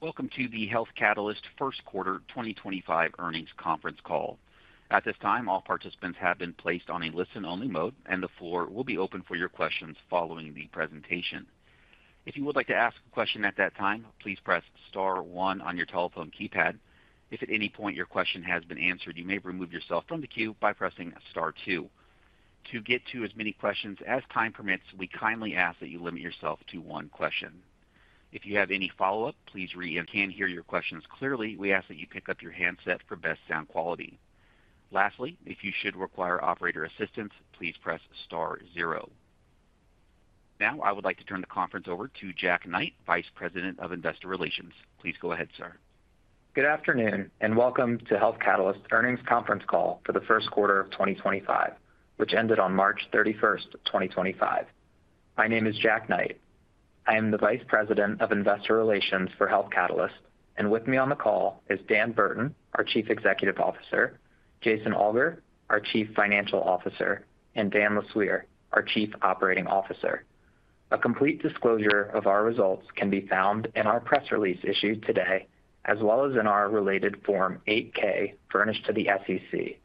Welcome to the Health Catalyst First Quarter 2025 Earnings Conference Call. At this time, all participants have been placed on a listen-only mode, and the floor will be open for your questions following the presentation. If you would like to ask a question at that time, please press star one on your telephone keypad. If at any point your question has been answered, you may remove yourself from the queue by pressing star two. To get to as many questions as time permits, we kindly ask that you limit yourself to one question. If you have any follow-up, please re-. Can hear your questions clearly, we ask that you pick up your handset for best sound quality. Lastly, if you should require operator assistance, please press star zero. Now, I would like to turn the conference over to Jack Knight, Vice President of Investor Relations. Please go ahead, sir. Good afternoon and welcome to Health Catalyst's earnings conference call for the first quarter of 2025, which ended on March 31, 2025. My name is Jack Knight. I am the Vice President of Investor Relations for Health Catalyst, and with me on the call is Dan Burton, our Chief Executive Officer, Jason Alger, our Chief Financial Officer, and Dan Lesueur, our Chief Operating Officer. A complete disclosure of our results can be found in our press release issued today, as well as in our related Form 8K furnished to the SEC,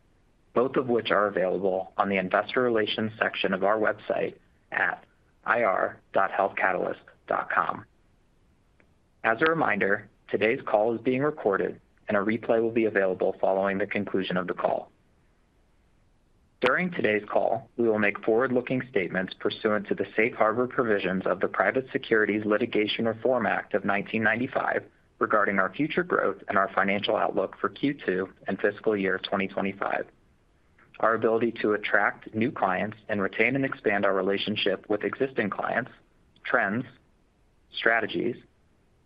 both of which are available on the Investor Relations section of our website at ir.healthcatalyst.com. As a reminder, today's call is being recorded, and a replay will be available following the conclusion of the call. During today's call, we will make forward-looking statements pursuant to the safe harbor provisions of the Private Securities Litigation Reform Act of 1995 regarding our future growth and our financial outlook for Q2 and fiscal year 2025, our ability to attract new clients and retain and expand our relationship with existing clients, trends, strategies,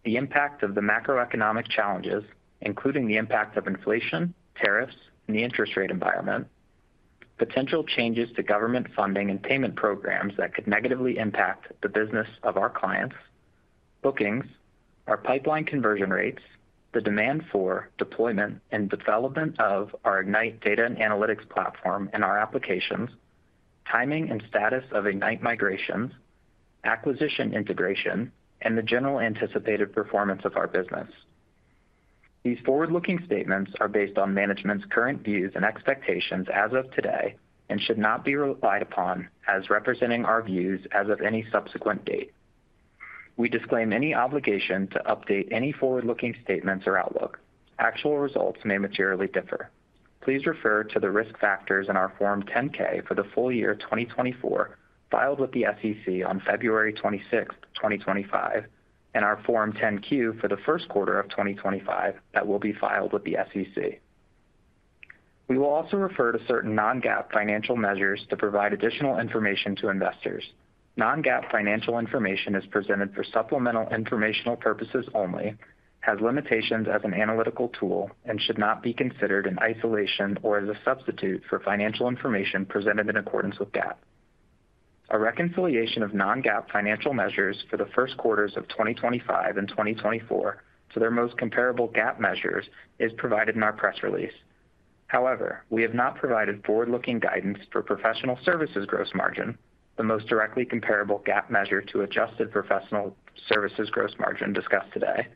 the impact of the macroeconomic challenges, including the impact of inflation, tariffs, and the interest rate environment, potential changes to government funding and payment programs that could negatively impact the business of our clients, bookings, our pipeline conversion rates, the demand for deployment and development of our Ignite data and analytics platform and our applications, timing and status of Ignite migrations, acquisition integration, and the general anticipated performance of our business. These forward-looking statements are based on management's current views and expectations as of today and should not be relied upon as representing our views as of any subsequent date. We disclaim any obligation to update any forward-looking statements or outlook. Actual results may materially differ. Please refer to the risk factors in our Form 10K for the full year 2024 filed with the SEC on February 26, 2025, and our Form 10Q for the first quarter of 2025 that will be filed with the SEC. We will also refer to certain non-GAAP financial measures to provide additional information to investors. Non-GAAP financial information is presented for supplemental informational purposes only, has limitations as an analytical tool, and should not be considered in isolation or as a substitute for financial information presented in accordance with GAAP. A reconciliation of non-GAAP financial measures for the first quarters of 2025 and 2024 to their most comparable GAAP measures is provided in our press release. However, we have not provided forward-looking guidance for professional services gross margin, the most directly comparable GAAP measure to adjusted professional services gross margin discussed today,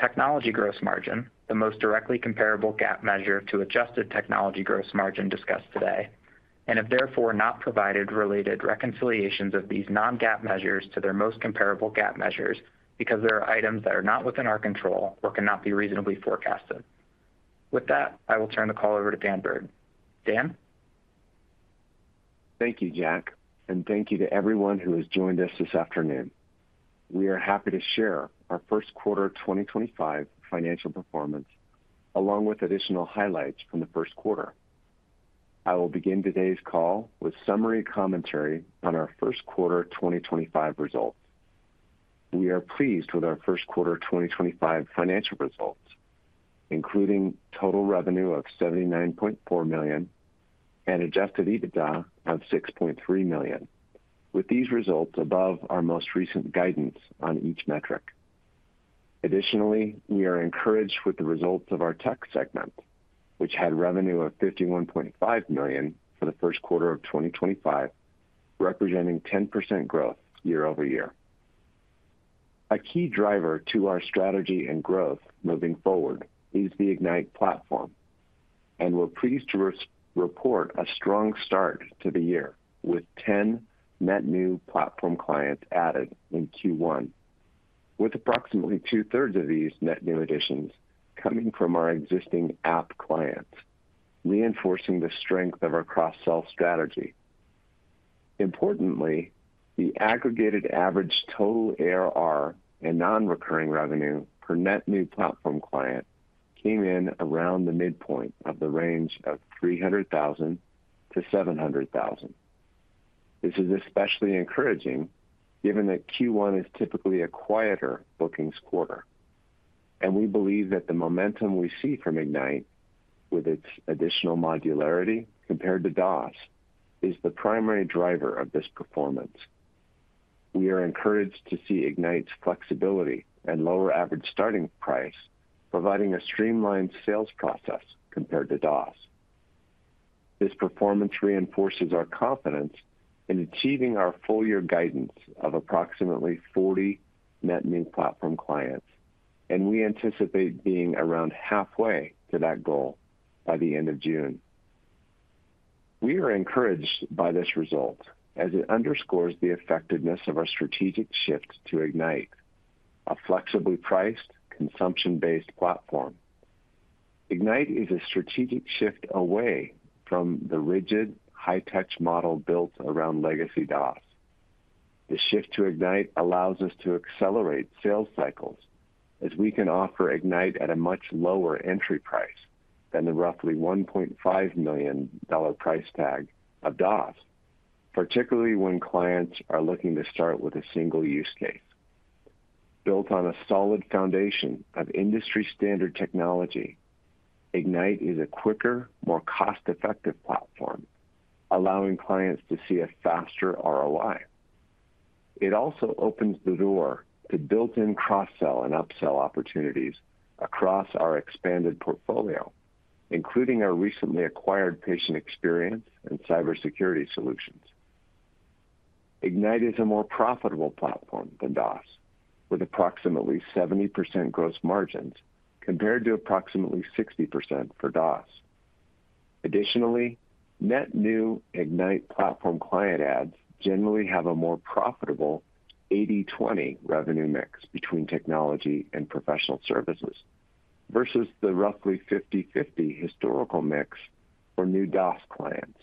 technology gross margin, the most directly comparable GAAP measure to adjusted technology gross margin discussed today, and have therefore not provided related reconciliations of these non-GAAP measures to their most comparable GAAP measures because there are items that are not within our control or cannot be reasonably forecasted. With that, I will turn the call over to Dan Burton. Dan? Thank you, Jack, and thank you to everyone who has joined us this afternoon. We are happy to share our first quarter 2025 financial performance along with additional highlights from the first quarter. I will begin today's call with summary commentary on our first quarter 2025 results. We are pleased with our first quarter 2025 financial results, including total revenue of $79.4 million and adjusted EBITDA of $6.3 million, with these results above our most recent guidance on each metric. Additionally, we are encouraged with the results of our tech segment, which had revenue of $51.5 million for the first quarter of 2025, representing 10% growth year over year. A key driver to our strategy and growth moving forward is the Ignite platform, and we're pleased to report a strong start to the year with 10 net new platform clients added in Q1, with approximately two-thirds of these net new additions coming from our existing app clients, reinforcing the strength of our cross-sell strategy. Importantly, the aggregated average total ARR and non-recurring revenue per net new platform client came in around the midpoint of the range of $300,000-$700,000. This is especially encouraging given that Q1 is typically a quieter bookings quarter, and we believe that the momentum we see from Ignite, with its additional modularity compared to DOS, is the primary driver of this performance. We are encouraged to see Ignite's flexibility and lower average starting price providing a streamlined sales process compared to DOS. This performance reinforces our confidence in achieving our full-year guidance of approximately 40 net new platform clients, and we anticipate being around halfway to that goal by the end of June. We are encouraged by this result as it underscores the effectiveness of our strategic shift to Ignite, a flexibly priced, consumption-based platform. Ignite is a strategic shift away from the rigid, high-touch model built around legacy DOS. The shift to Ignite allows us to accelerate sales cycles as we can offer Ignite at a much lower entry price than the roughly $1.5 million price tag of DOS, particularly when clients are looking to start with a single use case. Built on a solid foundation of industry-standard technology, Ignite is a quicker, more cost-effective platform, allowing clients to see a faster ROI. It also opens the door to built-in cross-sell and up-sell opportunities across our expanded portfolio, including our recently acquired patient experience and cybersecurity solutions. Ignite is a more profitable platform than DOS, with approximately 70% gross margins compared to approximately 60% for DOS. Additionally, net new Ignite platform client ads generally have a more profitable 80/20 revenue mix between technology and professional services versus the roughly 50/50 historical mix for new DOS clients.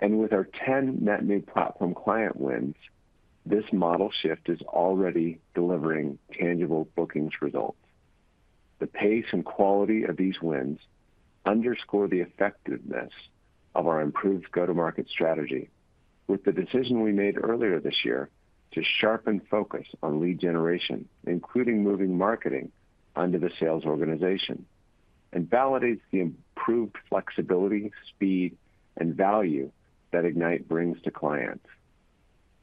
With our 10 net new platform client wins, this model shift is already delivering tangible bookings results. The pace and quality of these wins underscore the effectiveness of our improved go-to-market strategy, with the decision we made earlier this year to sharpen focus on lead generation, including moving marketing onto the sales organization, and validates the improved flexibility, speed, and value that Ignite brings to clients.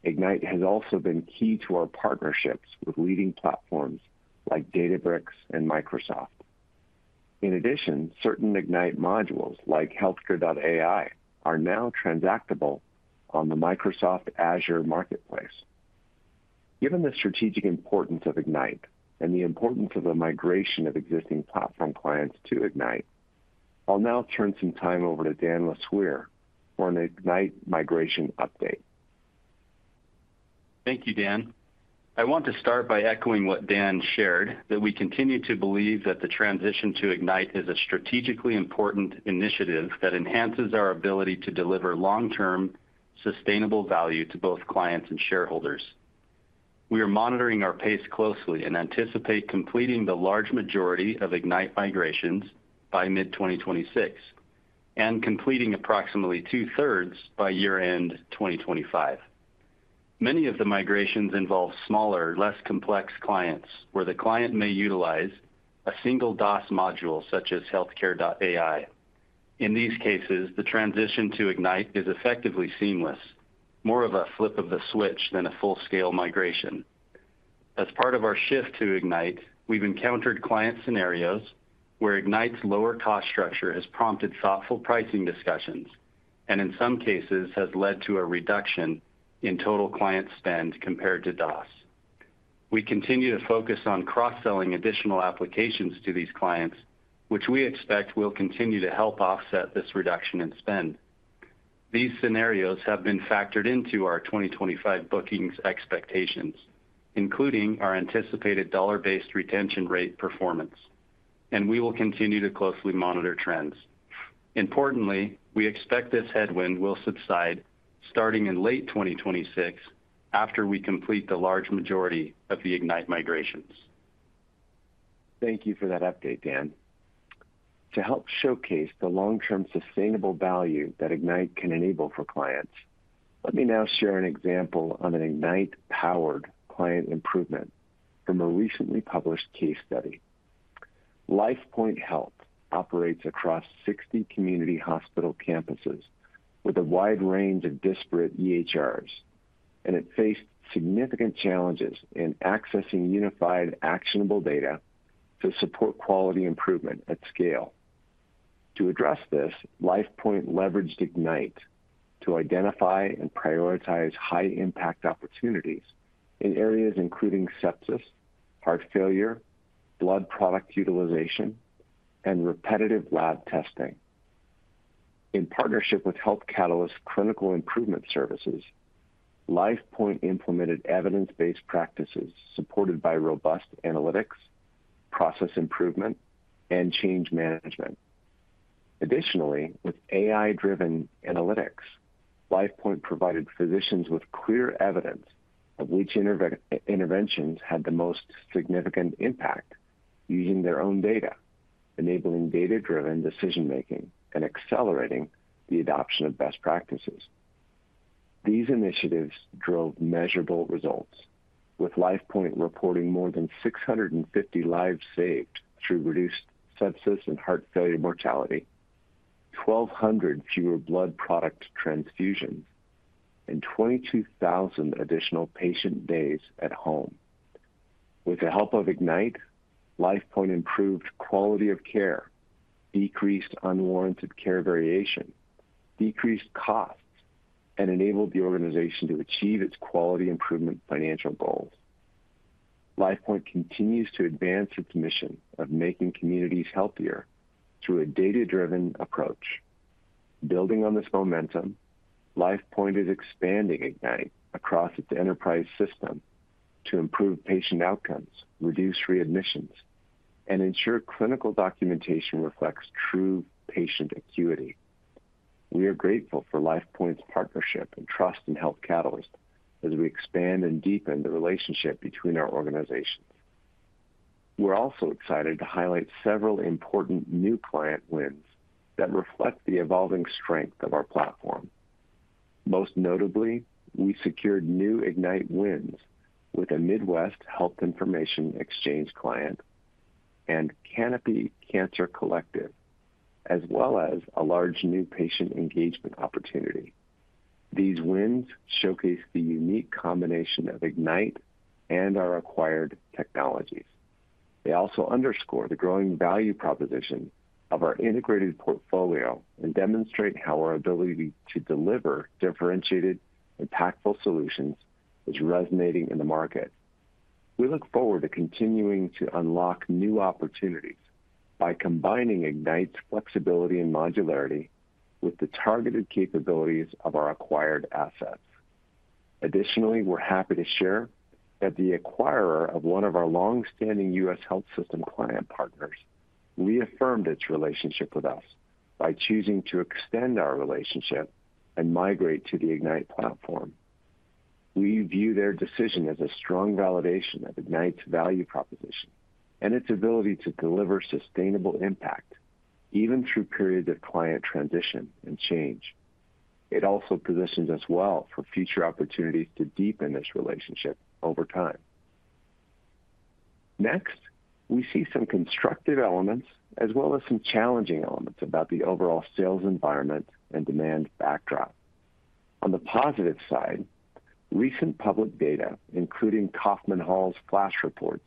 Ignite has also been key to our partnerships with leading platforms like Databricks and Microsoft. In addition, certain Ignite modules like healthcare.ai are now transactable on the Microsoft Azure Marketplace. Given the strategic importance of Ignite and the importance of the migration of existing platform clients to Ignite, I'll now turn some time over to Dan Lesueur for an Ignite migration update. Thank you, Dan. I want to start by echoing what Dan shared, that we continue to believe that the transition to Ignite is a strategically important initiative that enhances our ability to deliver long-term sustainable value to both clients and shareholders. We are monitoring our pace closely and anticipate completing the large majority of Ignite migrations by mid-2026 and completing approximately two-thirds by year-end 2025. Many of the migrations involve smaller, less complex clients where the client may utilize a single DOS module such as healthcare.ai. In these cases, the transition to Ignite is effectively seamless, more of a flip of the switch than a full-scale migration. As part of our shift to Ignite, we've encountered client scenarios where Ignite's lower cost structure has prompted thoughtful pricing discussions and, in some cases, has led to a reduction in total client spend compared to DOS. We continue to focus on cross-selling additional applications to these clients, which we expect will continue to help offset this reduction in spend. These scenarios have been factored into our 2025 bookings expectations, including our anticipated dollar-based retention rate performance, and we will continue to closely monitor trends. Importantly, we expect this headwind will subside starting in late 2026 after we complete the large majority of the Ignite migrations. Thank you for that update, Dan. To help showcase the long-term sustainable value that Ignite can enable for clients, let me now share an example of an Ignite-powered client improvement from a recently published case study. LifePoint Health operates across 60 community hospital campuses with a wide range of disparate EHRs, and it faced significant challenges in accessing unified actionable data to support quality improvement at scale. To address this, LifePoint leveraged Ignite to identify and prioritize high-impact opportunities in areas including sepsis, heart failure, blood product utilization, and repetitive lab testing. In partnership with Health Catalyst Clinical Improvement Services, LifePoint implemented evidence-based practices supported by robust analytics, process improvement, and change management. Additionally, with AI-driven analytics, LifePoint provided physicians with clear evidence of which interventions had the most significant impact using their own data, enabling data-driven decision-making and accelerating the adoption of best practices. These initiatives drove measurable results, with LifePoint reporting more than 650 lives saved through reduced sepsis and heart failure mortality, 1,200 fewer blood product transfusions, and 22,000 additional patient days at home. With the help of Ignite, LifePoint improved quality of care, decreased unwarranted care variation, decreased costs, and enabled the organization to achieve its quality improvement financial goals. LifePoint continues to advance its mission of making communities healthier through a data-driven approach. Building on this momentum, LifePoint is expanding Ignite across its enterprise system to improve patient outcomes, reduce readmissions, and ensure clinical documentation reflects true patient acuity. We are grateful for LifePoint's partnership and trust in Health Catalyst as we expand and deepen the relationship between our organizations. We're also excited to highlight several important new client wins that reflect the evolving strength of our platform. Most notably, we secured new Ignite wins with a Midwest health information exchange client and Canopy Cancer Collective, as well as a large new patient engagement opportunity. These wins showcase the unique combination of Ignite and our acquired technologies. They also underscore the growing value proposition of our integrated portfolio and demonstrate how our ability to deliver differentiated, impactful solutions is resonating in the market. We look forward to continuing to unlock new opportunities by combining Ignite's flexibility and modularity with the targeted capabilities of our acquired assets. Additionally, we're happy to share that the acquirer of one of our longstanding U.S. health system client partners reaffirmed its relationship with us by choosing to extend our relationship and migrate to the Ignite platform. We view their decision as a strong validation of Ignite's value proposition and its ability to deliver sustainable impact even through periods of client transition and change. It also positions us well for future opportunities to deepen this relationship over time. Next, we see some constructive elements as well as some challenging elements about the overall sales environment and demand backdrop. On the positive side, recent public data, including Kaufman Hall's flash reports,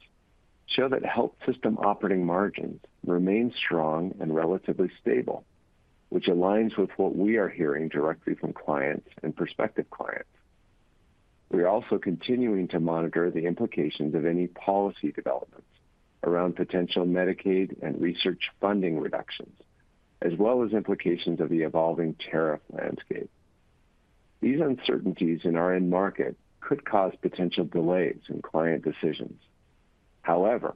show that health system operating margins remain strong and relatively stable, which aligns with what we are hearing directly from clients and prospective clients. We are also continuing to monitor the implications of any policy developments around potential Medicaid and research funding reductions, as well as implications of the evolving tariff landscape. These uncertainties in our end market could cause potential delays in client decisions. However,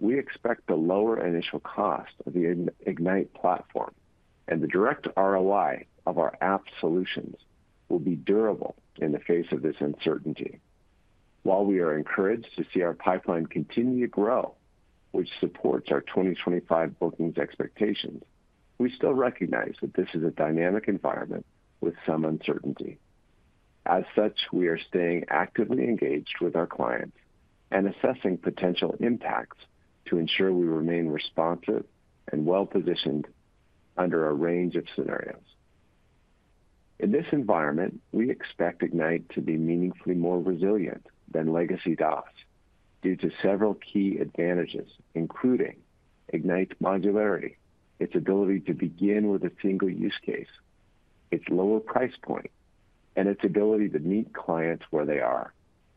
we expect the lower initial cost of the Ignite platform and the direct ROI of our app solutions will be durable in the face of this uncertainty. While we are encouraged to see our pipeline continue to grow, which supports our 2025 bookings expectations, we still recognize that this is a dynamic environment with some uncertainty. As such, we are staying actively engaged with our clients and assessing potential impacts to ensure we remain responsive and well-positioned under a range of scenarios. In this environment, we expect Ignite to be meaningfully more resilient than legacy DOS due to several key advantages, including Ignite's modularity, its ability to begin with a single use case, its lower price point, and its ability to meet clients where they are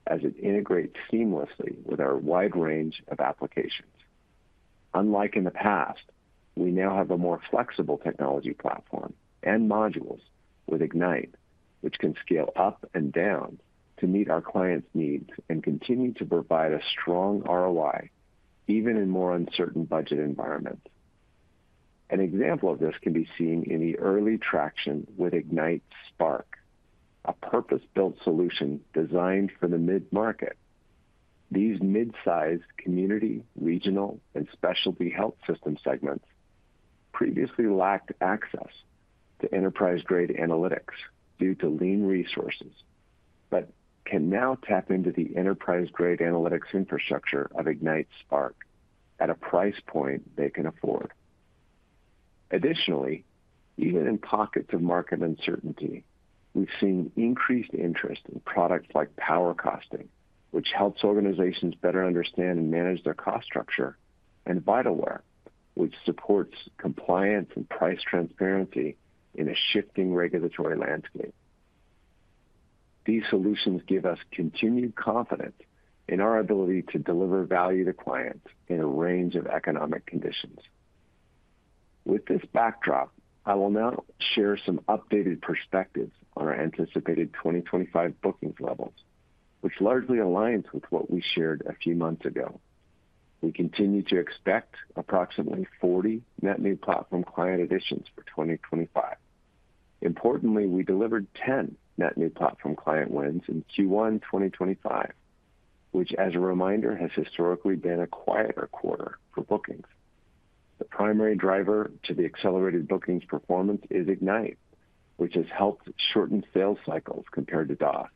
as it integrates seamlessly with our wide range of applications. Unlike in the past, we now have a more flexible technology platform and modules with Ignite, which can scale up and down to meet our clients' needs and continue to provide a strong ROI even in more uncertain budget environments. An example of this can be seen in the early traction with Ignite Spark, a purpose-built solution designed for the mid-market. These mid-sized community, regional, and specialty health system segments previously lacked access to enterprise-grade analytics due to lean resources but can now tap into the enterprise-grade analytics infrastructure of Ignite Spark at a price point they can afford. Additionally, even in pockets of market uncertainty, we've seen increased interest in products like Power Costing, which helps organizations better understand and manage their cost structure, and VitalWare, which supports compliance and price transparency in a shifting regulatory landscape. These solutions give us continued confidence in our ability to deliver value to clients in a range of economic conditions. With this backdrop, I will now share some updated perspectives on our anticipated 2025 bookings levels, which largely aligns with what we shared a few months ago. We continue to expect approximately 40 net new platform client additions for 2025. Importantly, we delivered 10 net new platform client wins in Q1 2025, which, as a reminder, has historically been a quieter quarter for bookings. The primary driver to the accelerated bookings performance is Ignite, which has helped shorten sales cycles compared to DOS.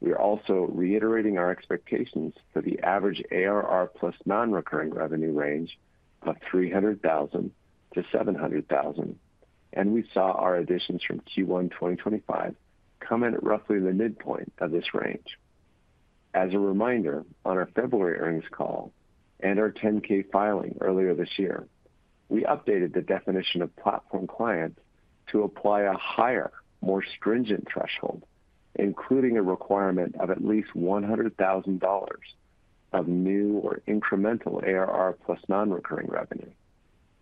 We are also reiterating our expectations for the average ARR plus non-recurring revenue range of $300,000-$700,000, and we saw our additions from Q1 2025 come in at roughly the midpoint of this range. As a reminder, on our February earnings call and our 10-K filing earlier this year, we updated the definition of platform clients to apply a higher, more stringent threshold, including a requirement of at least $100,000 of new or incremental ARR plus non-recurring revenue.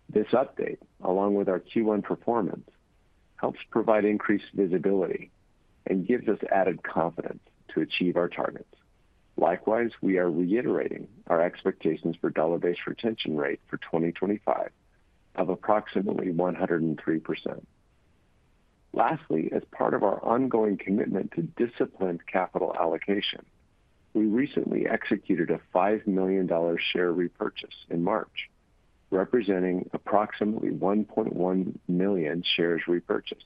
This update, along with our Q1 performance, helps provide increased visibility and gives us added confidence to achieve our targets. Likewise, we are reiterating our expectations for dollar-based retention rate for 2025 of approximately 103%. Lastly, as part of our ongoing commitment to disciplined capital allocation, we recently executed a $5 million share repurchase in March, representing approximately 1.1 million shares repurchased.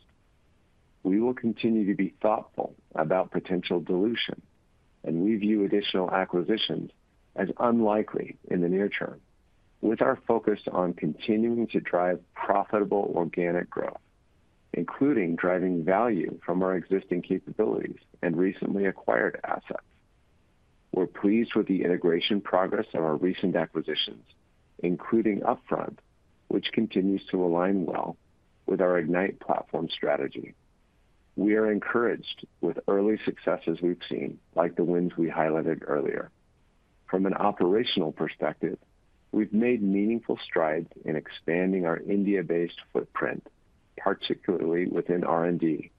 We will continue to be thoughtful about potential dilution, and we view additional acquisitions as unlikely in the near term, with our focus on continuing to drive profitable organic growth, including driving value from our existing capabilities and recently acquired assets. We're pleased with the integration progress of our recent acquisitions, including Upfront, which continues to align well with our Ignite platform strategy. We are encouraged with early successes we've seen, like the wins we highlighted earlier. From an operational perspective, we've made meaningful strides in expanding our India-based footprint, particularly within R&D,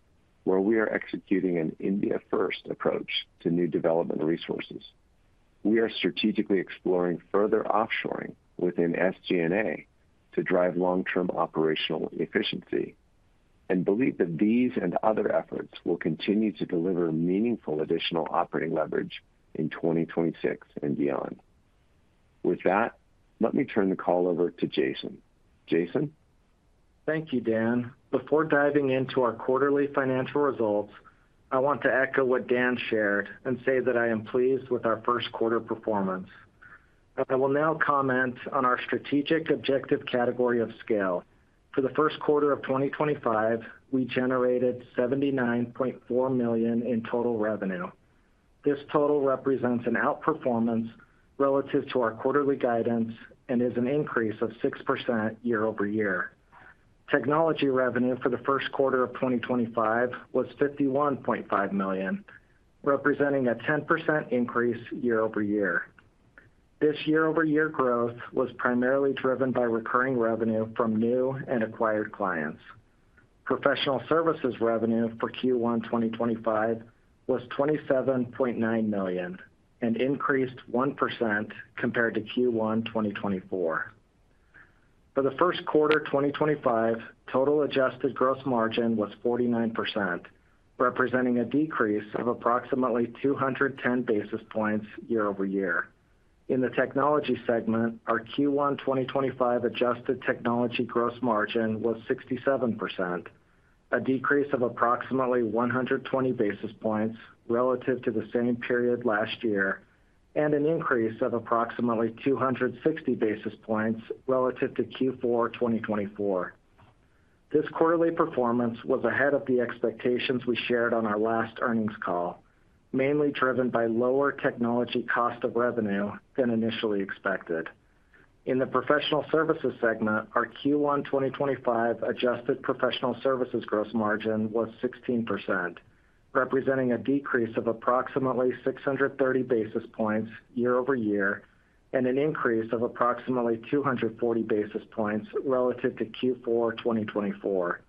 where we are executing an India-first approach to new development resources. We are strategically exploring further offshoring within SG&A to drive long-term operational efficiency and believe that these and other efforts will continue to deliver meaningful additional operating leverage in 2026 and beyond. With that, let me turn the call over to Jason. Jason? Thank you, Dan. Before diving into our quarterly financial results, I want to echo what Dan shared and say that I am pleased with our first quarter performance. I will now comment on our strategic objective category of scale. For the first quarter of 2025, we generated $79.4 million in total revenue. This total represents an outperformance relative to our quarterly guidance and is an increase of 6% year over year. Technology revenue for the first quarter of 2025 was $51.5 million, representing a 10% increase year over year. This year-over-year growth was primarily driven by recurring revenue from new and acquired clients. Professional services revenue for Q1 2025 was $27.9 million and increased 1% compared to Q1 2024. For the first quarter 2025, total adjusted gross margin was 49%, representing a decrease of approximately 210 basis points year over year. In the technology segment, our Q1 2025 adjusted technology gross margin was 67%, a decrease of approximately 120 basis points relative to the same period last year, and an increase of approximately 260 basis points relative to Q4 2024. This quarterly performance was ahead of the expectations we shared on our last earnings call, mainly driven by lower technology cost of revenue than initially expected. In the professional services segment, our Q1 2025 adjusted professional services gross margin was 16%, representing a decrease of approximately 630 basis points year over year and an increase of approximately 240 basis points relative to Q4 2024.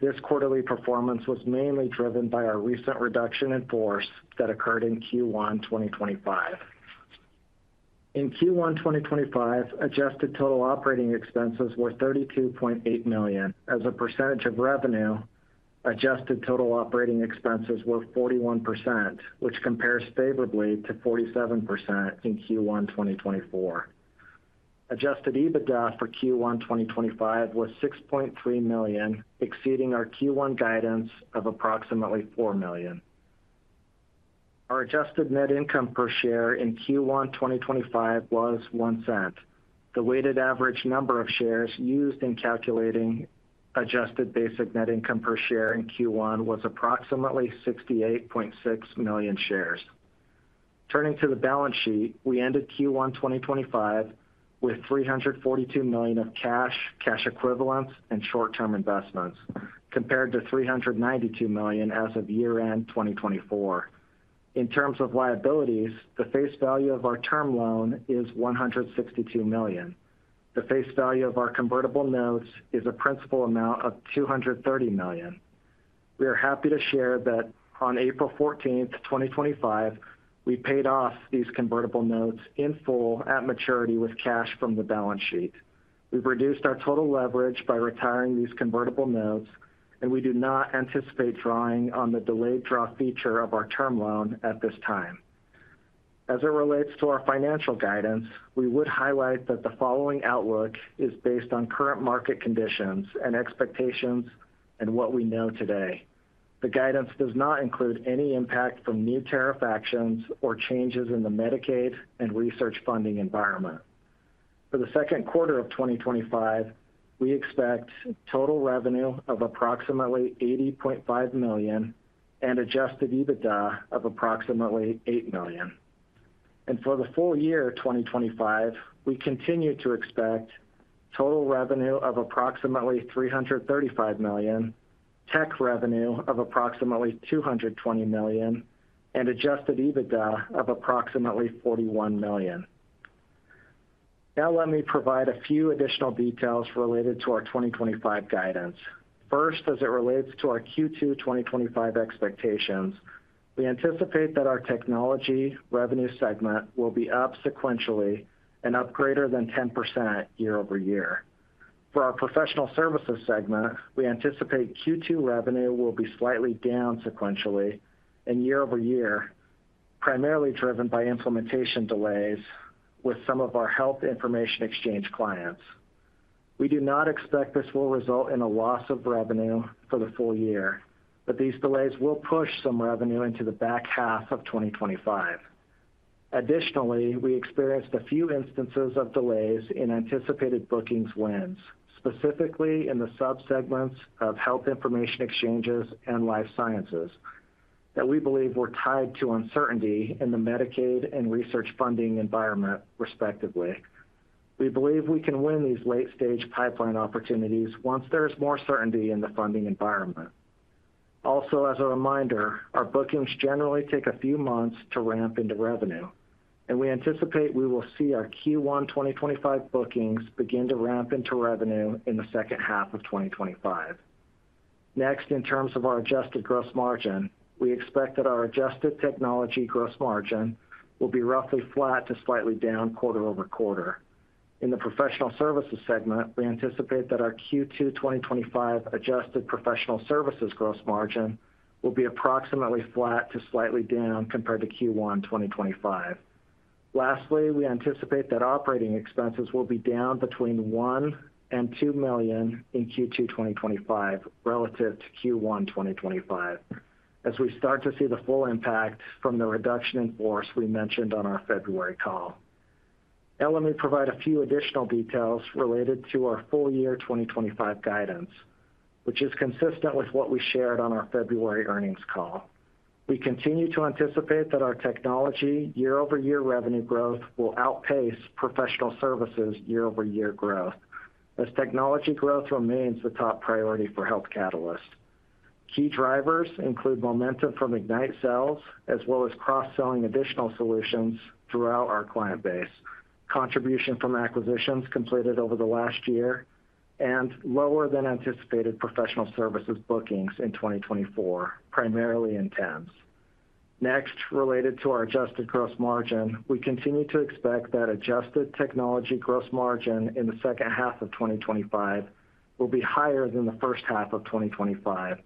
This quarterly performance was mainly driven by our recent reduction in force that occurred in Q1 2025. In Q1 2025, adjusted total operating expenses were $32.8 million. As a percentage of revenue, adjusted total operating expenses were 41%, which compares favorably to 47% in Q1 2024. Adjusted EBITDA for Q1 2025 was $6.3 million, exceeding our Q1 guidance of approximately $4 million. Our adjusted net income per share in Q1 2025 was $0.01. The weighted average number of shares used in calculating adjusted basic net income per share in Q1 was approximately 68.6 million shares. Turning to the balance sheet, we ended Q1 2025 with $342 million of cash, cash equivalents, and short-term investments compared to $392 million as of year-end 2024. In terms of liabilities, the face value of our term loan is $162 million. The face value of our convertible notes is a principal amount of $230 million. We are happy to share that on April 14, 2025, we paid off these convertible notes in full at maturity with cash from the balance sheet. We've reduced our total leverage by retiring these convertible notes, and we do not anticipate drawing on the delayed draw feature of our term loan at this time. As it relates to our financial guidance, we would highlight that the following outlook is based on current market conditions and expectations and what we know today. The guidance does not include any impact from new tariff actions or changes in the Medicaid and research funding environment. For the second quarter of 2025, we expect total revenue of approximately $80.5 million and adjusted EBITDA of approximately $8 million. For the full year 2025, we continue to expect total revenue of approximately $335 million, tech revenue of approximately $220 million, and adjusted EBITDA of approximately $41 million. Now, let me provide a few additional details related to our 2025 guidance. First, as it relates to our Q2 2025 expectations, we anticipate that our technology revenue segment will be up sequentially and up greater than 10% year over year. For our professional services segment, we anticipate Q2 revenue will be slightly down sequentially and year over year, primarily driven by implementation delays with some of our health information exchange clients. We do not expect this will result in a loss of revenue for the full year, but these delays will push some revenue into the back half of 2025. Additionally, we experienced a few instances of delays in anticipated bookings wins, specifically in the subsegments of health information exchanges and life sciences that we believe were tied to uncertainty in the Medicaid and research funding environment, respectively. We believe we can win these late-stage pipeline opportunities once there is more certainty in the funding environment. Also, as a reminder, our bookings generally take a few months to ramp into revenue, and we anticipate we will see our Q1 2025 bookings begin to ramp into revenue in the second half of 2025. Next, in terms of our adjusted gross margin, we expect that our adjusted technology gross margin will be roughly flat to slightly down quarter over quarter. In the professional services segment, we anticipate that our Q2 2025 adjusted professional services gross margin will be approximately flat to slightly down compared to Q1 2025. Lastly, we anticipate that operating expenses will be down between $1 million and $2 million in Q2 2025 relative to Q1 2025, as we start to see the full impact from the reduction in force we mentioned on our February call. Now, let me provide a few additional details related to our full year 2025 guidance, which is consistent with what we shared on our February earnings call. We continue to anticipate that our technology year-over-year revenue growth will outpace professional services year-over-year growth, as technology growth remains the top priority for Health Catalyst. Key drivers include momentum from Ignite sales, as well as cross-selling additional solutions throughout our client base, contribution from acquisitions completed over the last year, and lower-than-anticipated professional services bookings in 2024, primarily in TEMS. Next, related to our adjusted gross margin, we continue to expect that adjusted technology gross margin in the second half of 2025 will be higher than the first half of 2025,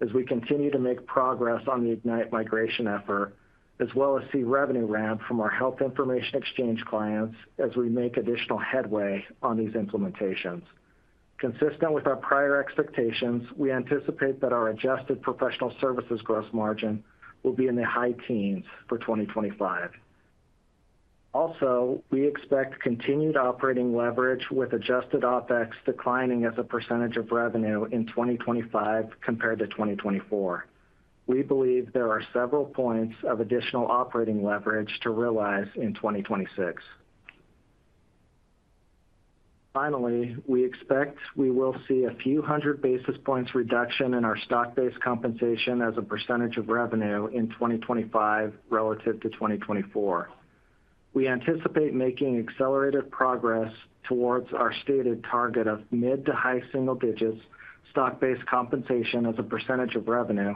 as we continue to make progress on the Ignite migration effort, as well as see revenue ramp from our health information exchange clients as we make additional headway on these implementations. Consistent with our prior expectations, we anticipate that our adjusted professional services gross margin will be in the high teens for 2025. Also, we expect continued operating leverage with adjusted OpEx declining as a percentage of revenue in 2025 compared to 2024. We believe there are several points of additional operating leverage to realize in 2026. Finally, we expect we will see a few hundred basis points reduction in our stock-based compensation as a percentage of revenue in 2025 relative to 2024. We anticipate making accelerated progress towards our stated target of mid to high single digits stock-based compensation as a percentage of revenue,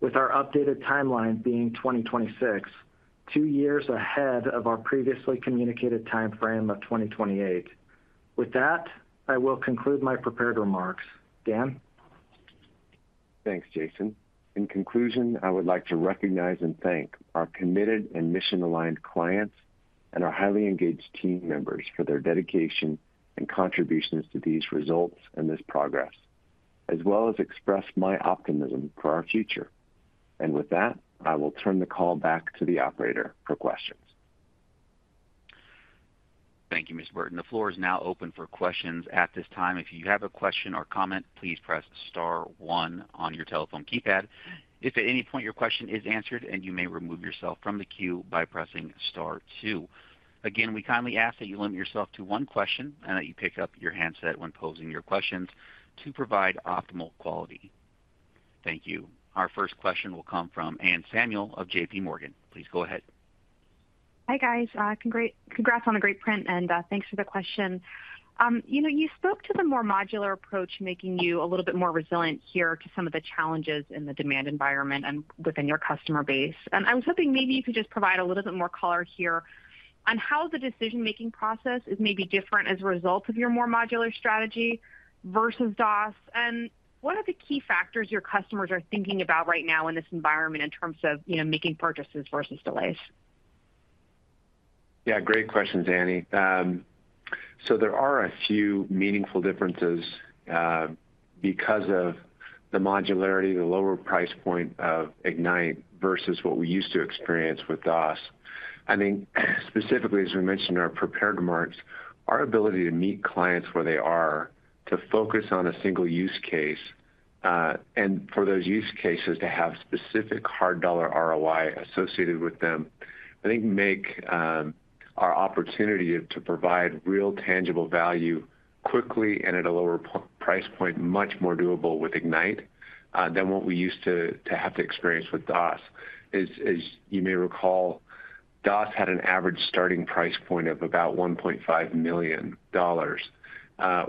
with our updated timeline being 2026, two years ahead of our previously communicated timeframe of 2028. With that, I will conclude my prepared remarks. Dan? Thanks, Jason. In conclusion, I would like to recognize and thank our committed and mission-aligned clients and our highly engaged team members for their dedication and contributions to these results and this progress, as well as express my optimism for our future. I will turn the call back to the operator for questions. Thank you, Mr. Burton. The floor is now open for questions at this time. If you have a question or comment, please press Star 1 on your telephone keypad. If at any point your question is answered, you may remove yourself from the queue by pressing Star 2. Again, we kindly ask that you limit yourself to one question and that you pick up your handset when posing your questions to provide optimal quality. Thank you. Our first question will come from Anne Samuel of JPMorgan. Please go ahead. Hi, guys. Congrats on the great print, and thanks for the question. You spoke to the more modular approach, making you a little bit more resilient here to some of the challenges in the demand environment and within your customer base. I was hoping maybe you could just provide a little bit more color here on how the decision-making process is maybe different as a result of your more modular strategy versus DOS. What are the key factors your customers are thinking about right now in this environment in terms of making purchases versus delays? Yeah, great question, Danny. There are a few meaningful differences because of the modularity, the lower price point of Ignite versus what we used to experience with DOS. I think specifically, as we mentioned in our prepared remarks, our ability to meet clients where they are, to focus on a single use case, and for those use cases to have specific hard dollar ROI associated with them, I think make our opportunity to provide real tangible value quickly and at a lower price point much more doable with Ignite than what we used to have to experience with DOS. As you may recall, DOS had an average starting price point of about $1.5 million,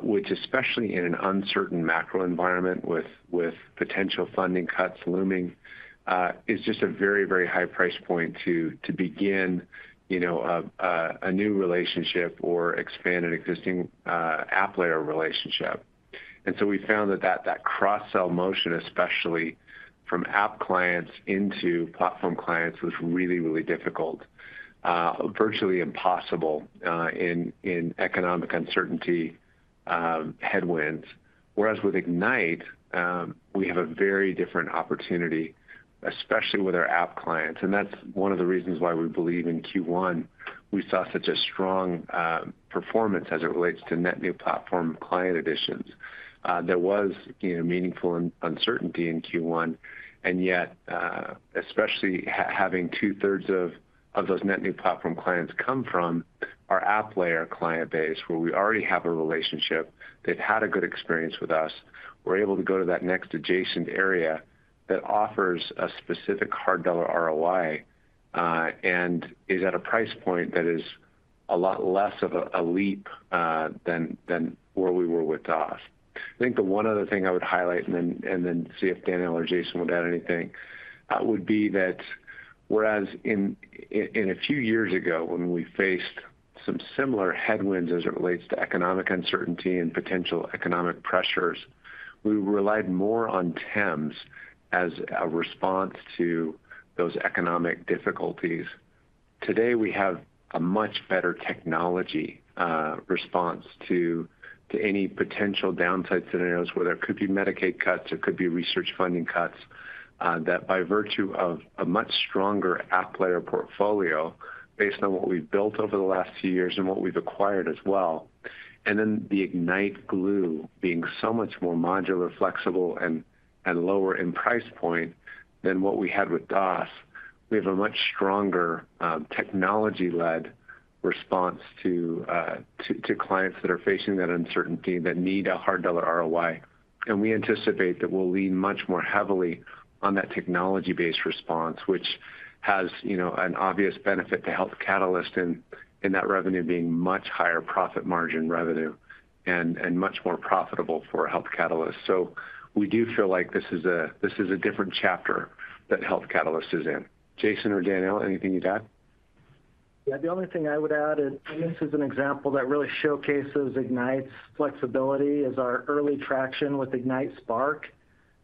which, especially in an uncertain macro environment with potential funding cuts looming, is just a very, very high price point to begin a new relationship or expand an existing app layer relationship. We found that that cross-sell motion, especially from app clients into platform clients, was really, really difficult, virtually impossible in economic uncertainty headwinds. Whereas with Ignite, we have a very different opportunity, especially with our app clients. That is one of the reasons why we believe in Q1 we saw such a strong performance as it relates to net new platform client additions. There was meaningful uncertainty in Q1, and yet, especially having two-thirds of those net new platform clients come from our app layer client base where we already have a relationship, they have had a good experience with us, we are able to go to that next adjacent area that offers a specific hard dollar ROI and is at a price point that is a lot less of a leap than where we were with DOS. I think the one other thing I would highlight, and then see if Dan or Jason would add anything, would be that whereas a few years ago, when we faced some similar headwinds as it relates to economic uncertainty and potential economic pressures, we relied more on TEMS as a response to those economic difficulties, today we have a much better technology response to any potential downside scenarios, whether it could be Medicaid cuts, it could be research funding cuts, that by virtue of a much stronger app layer portfolio based on what we've built over the last few years and what we've acquired as well. The Ignite glue being so much more modular, flexible, and lower in price point than what we had with DOS, we have a much stronger technology-led response to clients that are facing that uncertainty that need a hard dollar ROI. We anticipate that we'll lean much more heavily on that technology-based response, which has an obvious benefit to Health Catalyst in that revenue being much higher profit margin revenue and much more profitable for Health Catalyst. We do feel like this is a different chapter that Health Catalyst is in. Jason or Dan, anything you'd add? Yeah, the only thing I would add, and this is an example that really showcases Ignite's flexibility, is our early traction with Ignite Spark.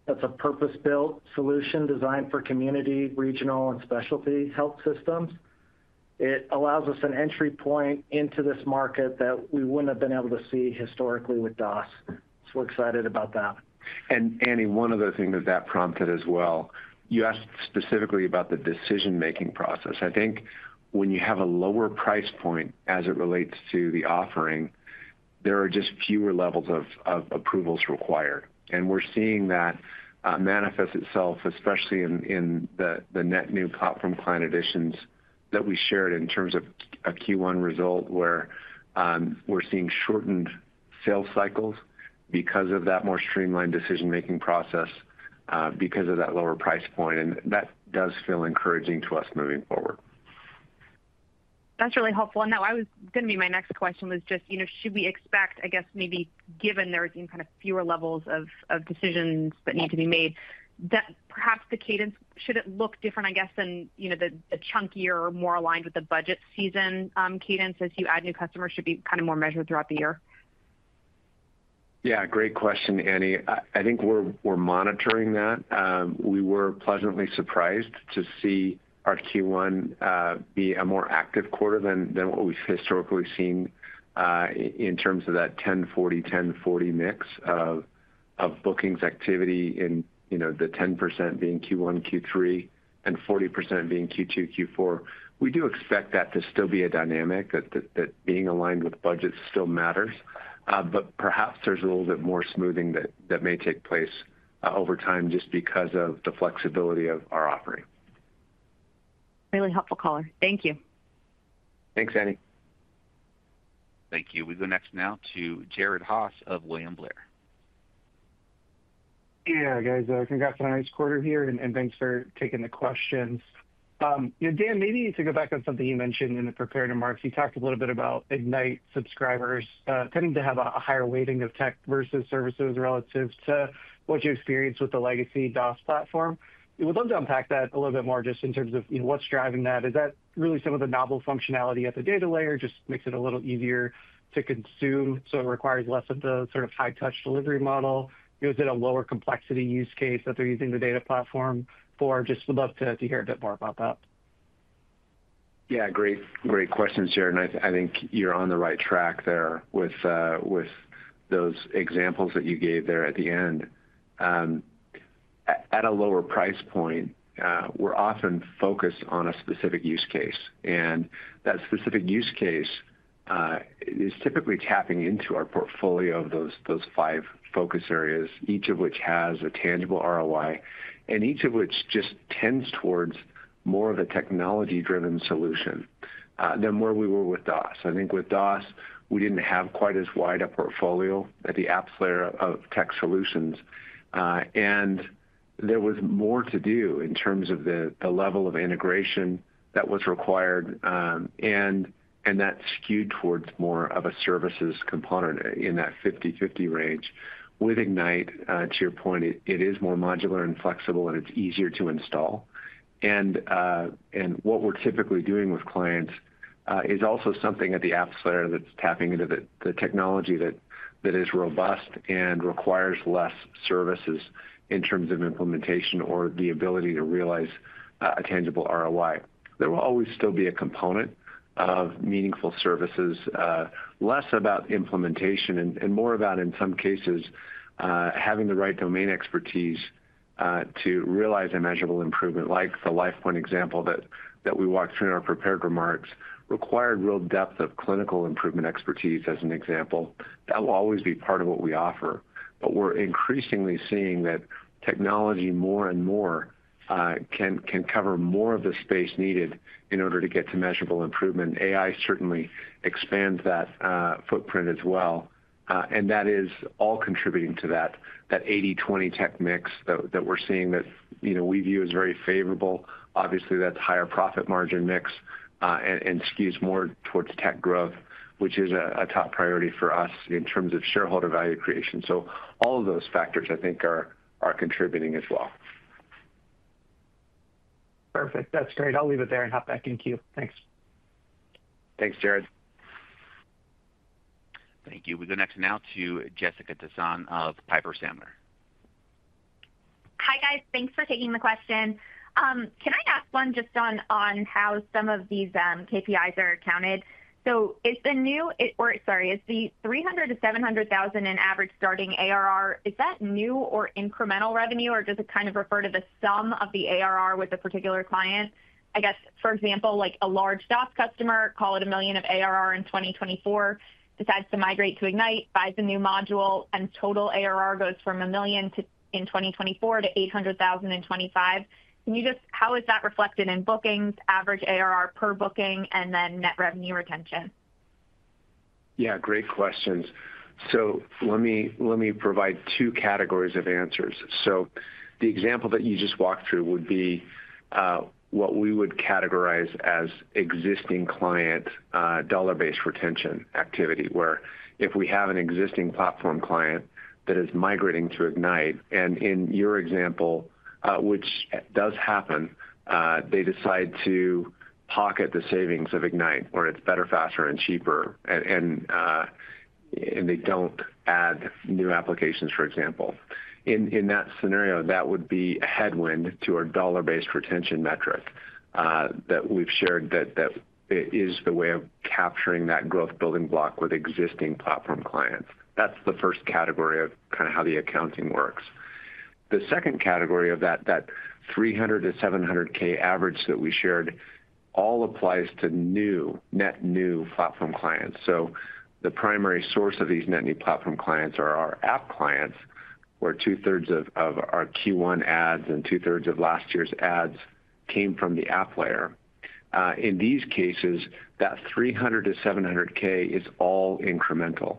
That's a purpose-built solution designed for community, regional, and specialty health systems. It allows us an entry point into this market that we wouldn't have been able to see historically with DOS. So we're excited about that. Danny, one other thing that that prompted as well, you asked specifically about the decision-making process. I think when you have a lower price point as it relates to the offering, there are just fewer levels of approvals required. We're seeing that manifest itself, especially in the net new platform client additions that we shared in terms of a Q1 result where we're seeing shortened sales cycles because of that more streamlined decision-making process because of that lower price point. That does feel encouraging to us moving forward. That's really helpful. I was going to be, my next question was just, should we expect, I guess, maybe given there are kind of fewer levels of decisions that need to be made, that perhaps the cadence shouldn't look different, I guess, than the chunkier or more aligned with the budget season cadence as you add new customers, should it be kind of more measured throughout the year? Yeah, great question, Danny. I think we're monitoring that. We were pleasantly surprised to see our Q1 be a more active quarter than what we've historically seen in terms of that 10/40, 10/40 mix of bookings activity in the 10% being Q1, Q3, and 40% being Q2, Q4. We do expect that to still be a dynamic, that being aligned with budgets still matters. Perhaps there's a little bit more smoothing that may take place over time just because of the flexibility of our offering. Really helpful, caller. Thank you. Thanks, Danny. Thank you. We go next now to Jared Haase of William Blair. Yeah, guys, congrats on a nice quarter here, and thanks for taking the questions. Dan, maybe to go back on something you mentioned in the prepared remarks, you talked a little bit about Ignite subscribers tending to have a higher weighting of tech versus services relative to what you experience with the legacy DOS platform. We'd love to unpack that a little bit more just in terms of what's driving that. Is that really some of the novel functionality at the data layer? Just makes it a little easier to consume, so it requires less of the sort of high-touch delivery model. Is it a lower complexity use case that they're using the data platform for? Just would love to hear a bit more about that. Yeah, great questions, Jared. I think you're on the right track there with those examples that you gave there at the end. At a lower price point, we're often focused on a specific use case. That specific use case is typically tapping into our portfolio of those five focus areas, each of which has a tangible ROI, and each of which just tends towards more of a technology-driven solution than where we were with DOS. I think with DOS, we didn't have quite as wide a portfolio at the app layer of tech solutions. There was more to do in terms of the level of integration that was required, and that skewed towards more of a services component in that 50/50 range. With Ignite, to your point, it is more modular and flexible, and it's easier to install. What we're typically doing with clients is also something at the app layer that's tapping into the technology that is robust and requires less services in terms of implementation or the ability to realize a tangible ROI. There will always still be a component of meaningful services, less about implementation and more about, in some cases, having the right domain expertise to realize a measurable improvement, like the LifePoint example that we walked through in our prepared remarks, required real depth of clinical improvement expertise as an example. That will always be part of what we offer. We're increasingly seeing that technology more and more can cover more of the space needed in order to get to measurable improvement. AI certainly expands that footprint as well. That is all contributing to that 80/20 tech mix that we're seeing that we view as very favorable. Obviously, that's a higher profit margin mix and skews more towards tech growth, which is a top priority for us in terms of shareholder value creation. All of those factors, I think, are contributing as well. Perfect. That's great. I'll leave it there and hop back in queue. Thanks. Thanks, Jared. Thank you. We go next now to Jessica Tassan of Piper Sandler. Hi, guys. Thanks for taking the question. Can I ask one just on how some of these KPIs are accounted? Is the new, or sorry, is the $300,000-$700,000 in average starting ARR, is that new or incremental revenue, or does it kind of refer to the sum of the ARR with a particular client? I guess, for example, like a large DOS customer, call it $1 million of ARR in 2024, decides to migrate to Ignite, buys a new module, and total ARR goes from $1 million in 2024 to $800,000 in 2025. How is that reflected in bookings, average ARR per booking, and then net revenue retention? Yeah, great questions. Let me provide two categories of answers. The example that you just walked through would be what we would categorize as existing client dollar-based retention activity, where if we have an existing platform client that is migrating to Ignite, and in your example, which does happen, they decide to pocket the savings of Ignite, or it's better, faster, and cheaper, and they do not add new applications, for example. In that scenario, that would be a headwind to our dollar-based retention metric that we have shared that is the way of capturing that growth building block with existing platform clients. That is the first category of kind of how the accounting works. The second category of that $300,000-$700,000 average that we shared all applies to net new platform clients. The primary source of these net new platform clients are our app clients, where two-thirds of our Q1 ads and two-thirds of last year's ads came from the app layer. In these cases, that $300,000-$700,000 is all incremental.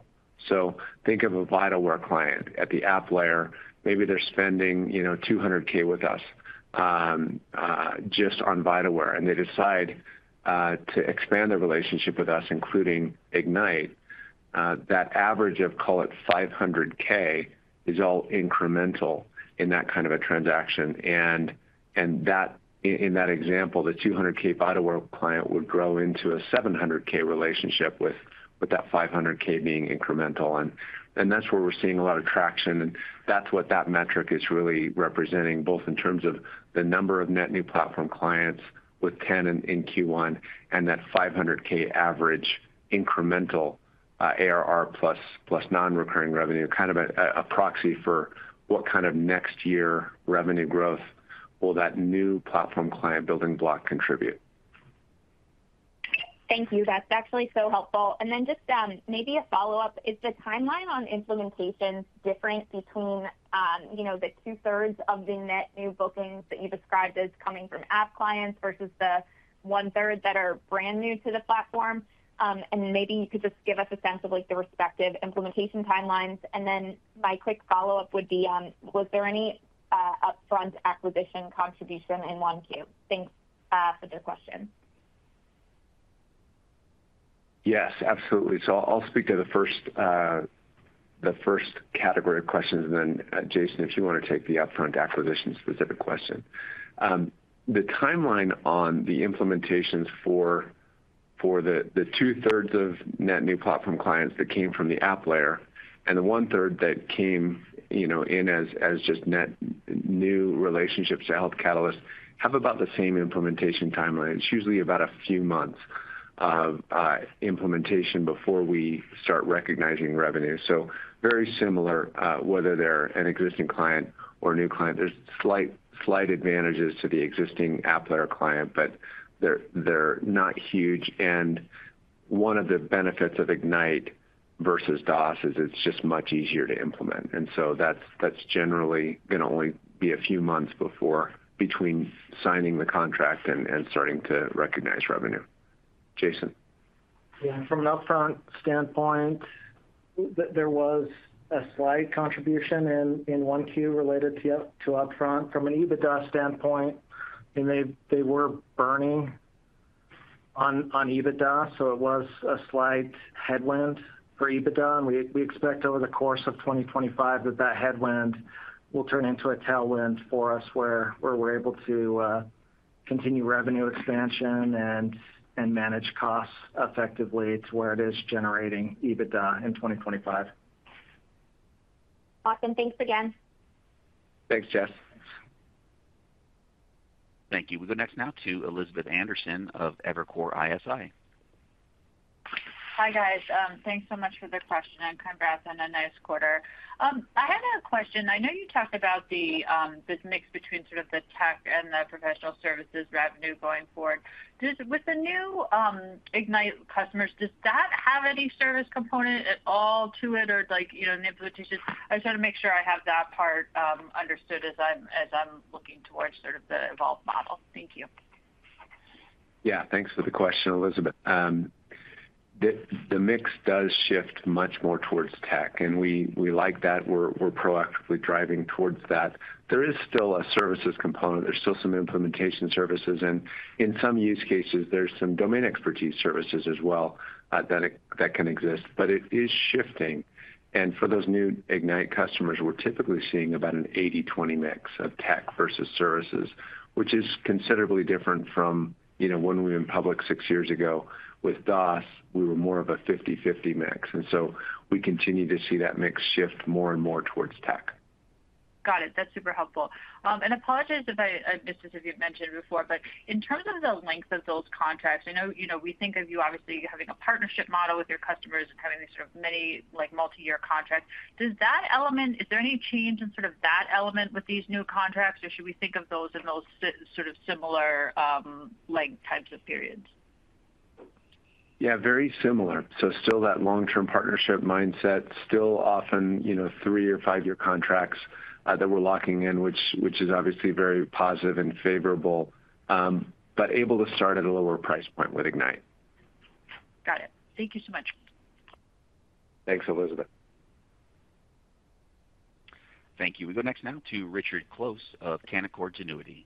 Think of a VitalWare client at the app layer. Maybe they're spending $200,000 with us just on VitalWare, and they decide to expand their relationship with us, including Ignite. That average of, call it $500,000, is all incremental in that kind of a transaction. In that example, the $200,000 VitalWare client would grow into a $700,000 relationship with that $500,000 being incremental. That is where we're seeing a lot of traction. That is what that metric is really representing, both in terms of the number of net new platform clients with 10 in Q1 and that $500,000 average incremental ARR plus non-recurring revenue, kind of a proxy for what kind of next year revenue growth will that new platform client building block contribute. Thank you. That's actually so helpful. Just maybe a follow-up, is the timeline on implementation different between the two-thirds of the net new bookings that you described as coming from app clients versus the one-third that are brand new to the platform? Maybe you could just give us a sense of the respective implementation timelines. My quick follow-up would be, was there any upfront acquisition contribution in Q1? Thanks for the question. Yes, absolutely. I'll speak to the first category of questions, and then Jason, if you want to take the Upfront acquisition specific question. The timeline on the implementations for the two-thirds of net new platform clients that came from the app layer and the one-third that came in as just net new relationships to Health Catalyst have about the same implementation timeline. It's usually about a few months of implementation before we start recognizing revenue. Very similar, whether they're an existing client or a new client. There's slight advantages to the existing app layer client, but they're not huge. One of the benefits of Ignite versus DOS is it's just much easier to implement. That's generally going to only be a few months between signing the contract and starting to recognize revenue. Jason. Yeah, from an Upfront standpoint, there was a slight contribution in one Q related to Upfront. From an EBITDA standpoint, they were burning on EBITDA, so it was a slight headwind for EBITDA. We expect over the course of 2025 that that headwind will turn into a tailwind for us where we're able to continue revenue expansion and manage costs effectively to where it is generating EBITDA in 2025. Awesome. Thanks again. Thanks, Jess. Thank you. We go next now to Elizabeth Anderson of Evercore ISI. Hi, guys. Thanks so much for the question. Congrats on a nice quarter. I had a question. I know you talked about this mix between sort of the tech and the professional services revenue going forward. With the new Ignite customers, does that have any service component at all to it or the implementation? I just want to make sure I have that part understood as I'm looking towards sort of the evolved model. Thank you. Yeah, thanks for the question, Elizabeth. The mix does shift much more towards tech, and we like that. We're proactively driving towards that. There is still a services component. There's still some implementation services. In some use cases, there's some domain expertise services as well that can exist. It is shifting. For those new Ignite customers, we're typically seeing about an 80/20 mix of tech versus services, which is considerably different from when we were in public six years ago. With DOS, we were more of a 50/50 mix. We continue to see that mix shift more and more towards tech. Got it. That's super helpful. And apologies if I missed this as you've mentioned before, but in terms of the length of those contracts, I know we think of you obviously having a partnership model with your customers and having these sort of many multi-year contracts. Is there any change in sort of that element with these new contracts, or should we think of those in those sort of similar length types of periods? Yeah, very similar. Still that long-term partnership mindset, still often three or five-year contracts that we're locking in, which is obviously very positive and favorable, but able to start at a lower price point with Ignite. Got it. Thank you so much. Thanks, Elizabeth. Thank you. We go next now to Richard Close of Canaccord Genuity.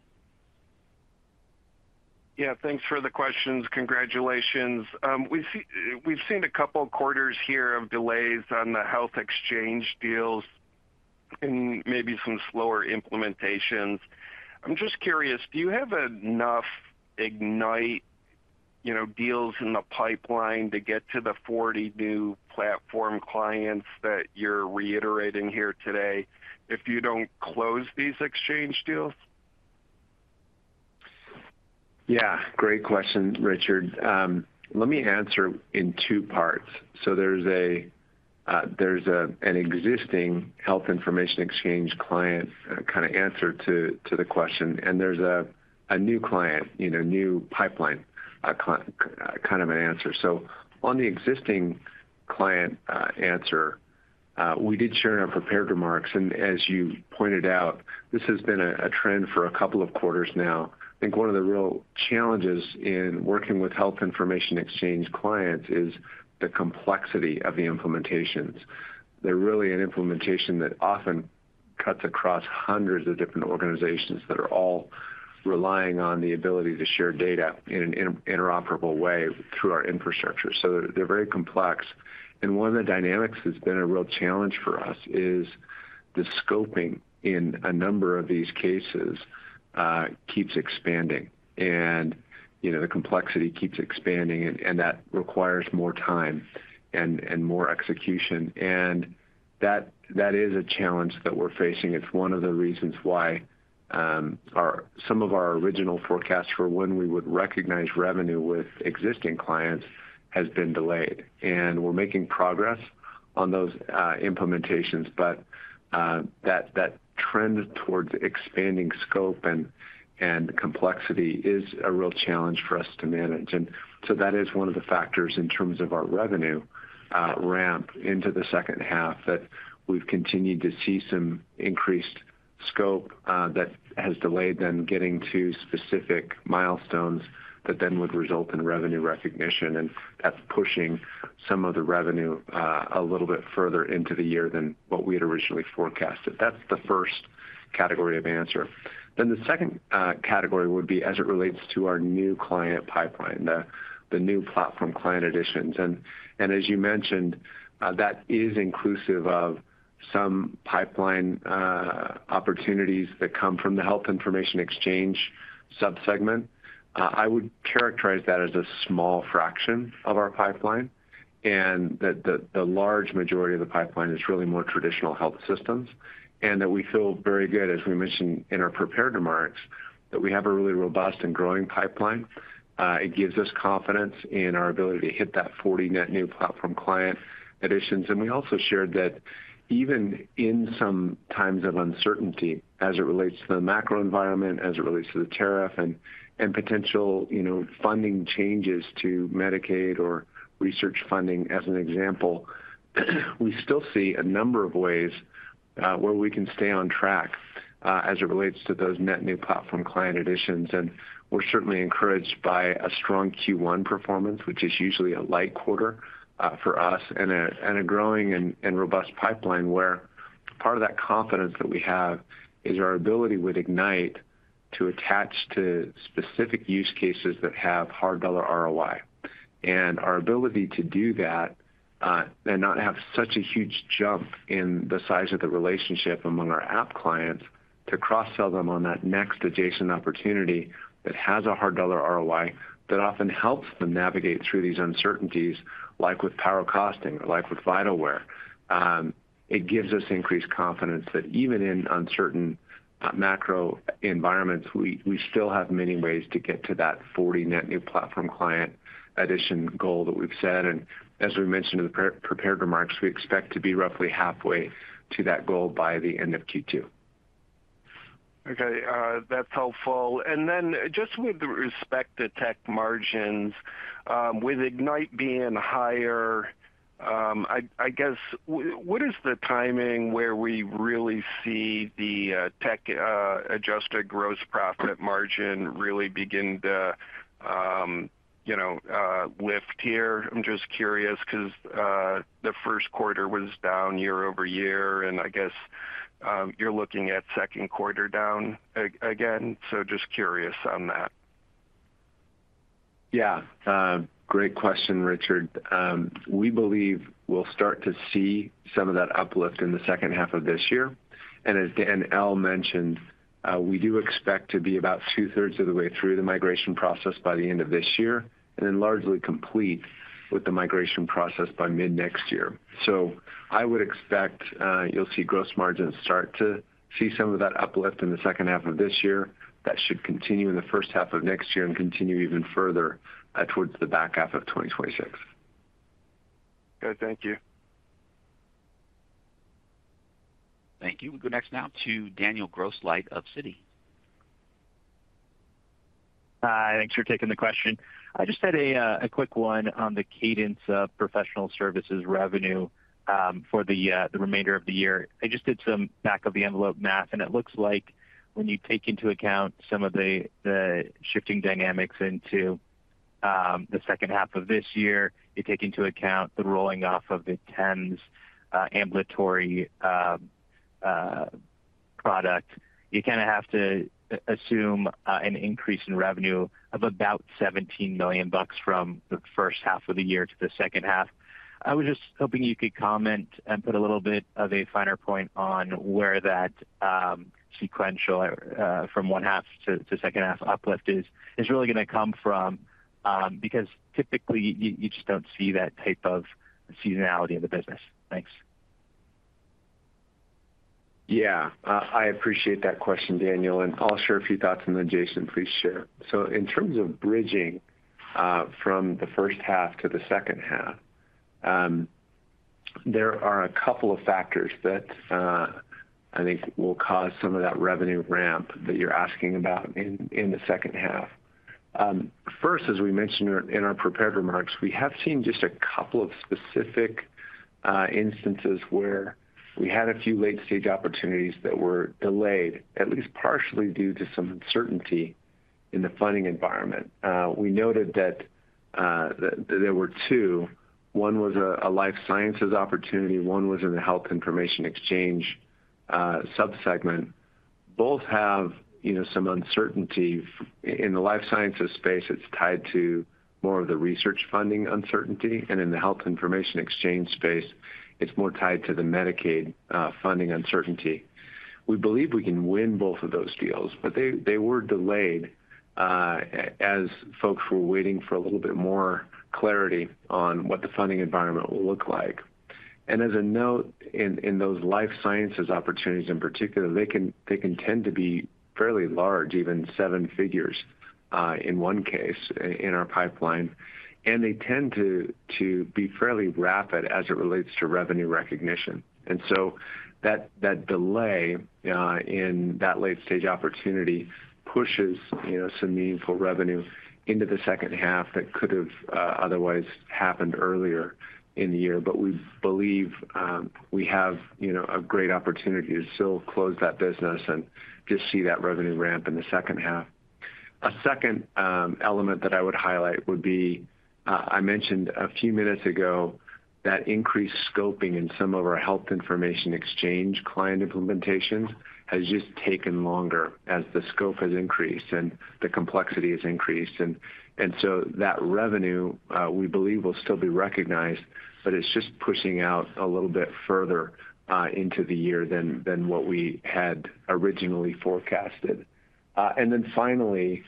Yeah, thanks for the questions. Congratulations. We've seen a couple of quarters here of delays on the health exchange deals and maybe some slower implementations. I'm just curious, do you have enough Ignite deals in the pipeline to get to the 40 new platform clients that you're reiterating here today if you don't close these exchange deals? Yeah, great question, Richard. Let me answer in two parts. There is an existing health information exchange client kind of answer to the question, and there is a new client, new pipeline kind of an answer. On the existing client answer, we did share in our prepared remarks. As you pointed out, this has been a trend for a couple of quarters now. I think one of the real challenges in working with health information exchange clients is the complexity of the implementations. They are really an implementation that often cuts across hundreds of different organizations that are all relying on the ability to share data in an interoperable way through our infrastructure. They are very complex. One of the dynamics that has been a real challenge for us is the scoping in a number of these cases keeps expanding. The complexity keeps expanding, and that requires more time and more execution. That is a challenge that we're facing. It's one of the reasons why some of our original forecasts for when we would recognize revenue with existing clients has been delayed. We're making progress on those implementations, but that trend towards expanding scope and complexity is a real challenge for us to manage. That is one of the factors in terms of our revenue ramp into the second half that we've continued to see some increased scope that has delayed them getting to specific milestones that then would result in revenue recognition. That's pushing some of the revenue a little bit further into the year than what we had originally forecasted. That's the first category of answer. The second category would be as it relates to our new client pipeline, the new platform client additions. As you mentioned, that is inclusive of some pipeline opportunities that come from the health information exchange subsegment. I would characterize that as a small fraction of our pipeline and that the large majority of the pipeline is really more traditional health systems. We feel very good, as we mentioned in our prepared remarks, that we have a really robust and growing pipeline. It gives us confidence in our ability to hit that 40 net new platform client additions. We also shared that even in some times of uncertainty as it relates to the macro environment, as it relates to the tariff and potential funding changes to Medicaid or research funding as an example, we still see a number of ways where we can stay on track as it relates to those net new platform client additions. We are certainly encouraged by a strong Q1 performance, which is usually a light quarter for us, and a growing and robust pipeline where part of that confidence that we have is our ability with Ignite to attach to specific use cases that have hard dollar ROI. Our ability to do that and not have such a huge jump in the size of the relationship among our app clients to cross-sell them on that next adjacent opportunity that has a hard dollar ROI that often helps them navigate through these uncertainties, like with Power Costing or like with VitalWare, gives us increased confidence that even in uncertain macro environments, we still have many ways to get to that 40 net new platform client addition goal that we've set. As we mentioned in the prepared remarks, we expect to be roughly halfway to that goal by the end of Q2. Okay. That's helpful. And then just with respect to tech margins, with Ignite being higher, I guess, what is the timing where we really see the tech adjusted gross profit margin really begin to lift here? I'm just curious because the first quarter was down year over year, and I guess you're looking at second quarter down again. So just curious on that. Yeah. Great question, Richard. We believe we'll start to see some of that uplift in the second half of this year. As Dan Lesueur mentioned, we do expect to be about two-thirds of the way through the migration process by the end of this year and then largely complete with the migration process by mid-next year. I would expect you'll see gross margins start to see some of that uplift in the second half of this year. That should continue in the first half of next year and continue even further towards the back half of 2026. Good. Thank you. Thank you. We go next now to Daniel Grosslight of Citi. Hi. Thanks for taking the question. I just had a quick one on the cadence of professional services revenue for the remainder of the year. I just did some back-of-the-envelope math, and it looks like when you take into account some of the shifting dynamics into the second half of this year, you take into account the rolling off of the TEMS ambulatory product, you kind of have to assume an increase in revenue of about $17 million from the first half of the year to the second half. I was just hoping you could comment and put a little bit of a finer point on where that sequential from one half to second half uplift is really going to come from because typically you just do not see that type of seasonality in the business. Thanks. Yeah. I appreciate that question, Daniel. I'll share a few thoughts and then Jason, please share. In terms of bridging from the first half to the second half, there are a couple of factors that I think will cause some of that revenue ramp that you're asking about in the second half. First, as we mentioned in our prepared remarks, we have seen just a couple of specific instances where we had a few late-stage opportunities that were delayed, at least partially due to some uncertainty in the funding environment. We noted that there were two. One was a life sciences opportunity. One was in the health information exchange subsegment. Both have some uncertainty. In the life sciences space, it's tied to more of the research funding uncertainty. In the health information exchange space, it's more tied to the Medicaid funding uncertainty. We believe we can win both of those deals, but they were delayed as folks were waiting for a little bit more clarity on what the funding environment will look like. As a note, in those life sciences opportunities in particular, they can tend to be fairly large, even seven figures in one case in our pipeline. They tend to be fairly rapid as it relates to revenue recognition. That delay in that late-stage opportunity pushes some meaningful revenue into the second half that could have otherwise happened earlier in the year. We believe we have a great opportunity to still close that business and just see that revenue ramp in the second half. A second element that I would highlight would be I mentioned a few minutes ago that increased scoping in some of our health information exchange client implementations has just taken longer as the scope has increased and the complexity has increased. That revenue, we believe, will still be recognized, but it is just pushing out a little bit further into the year than what we had originally forecasted. Finally,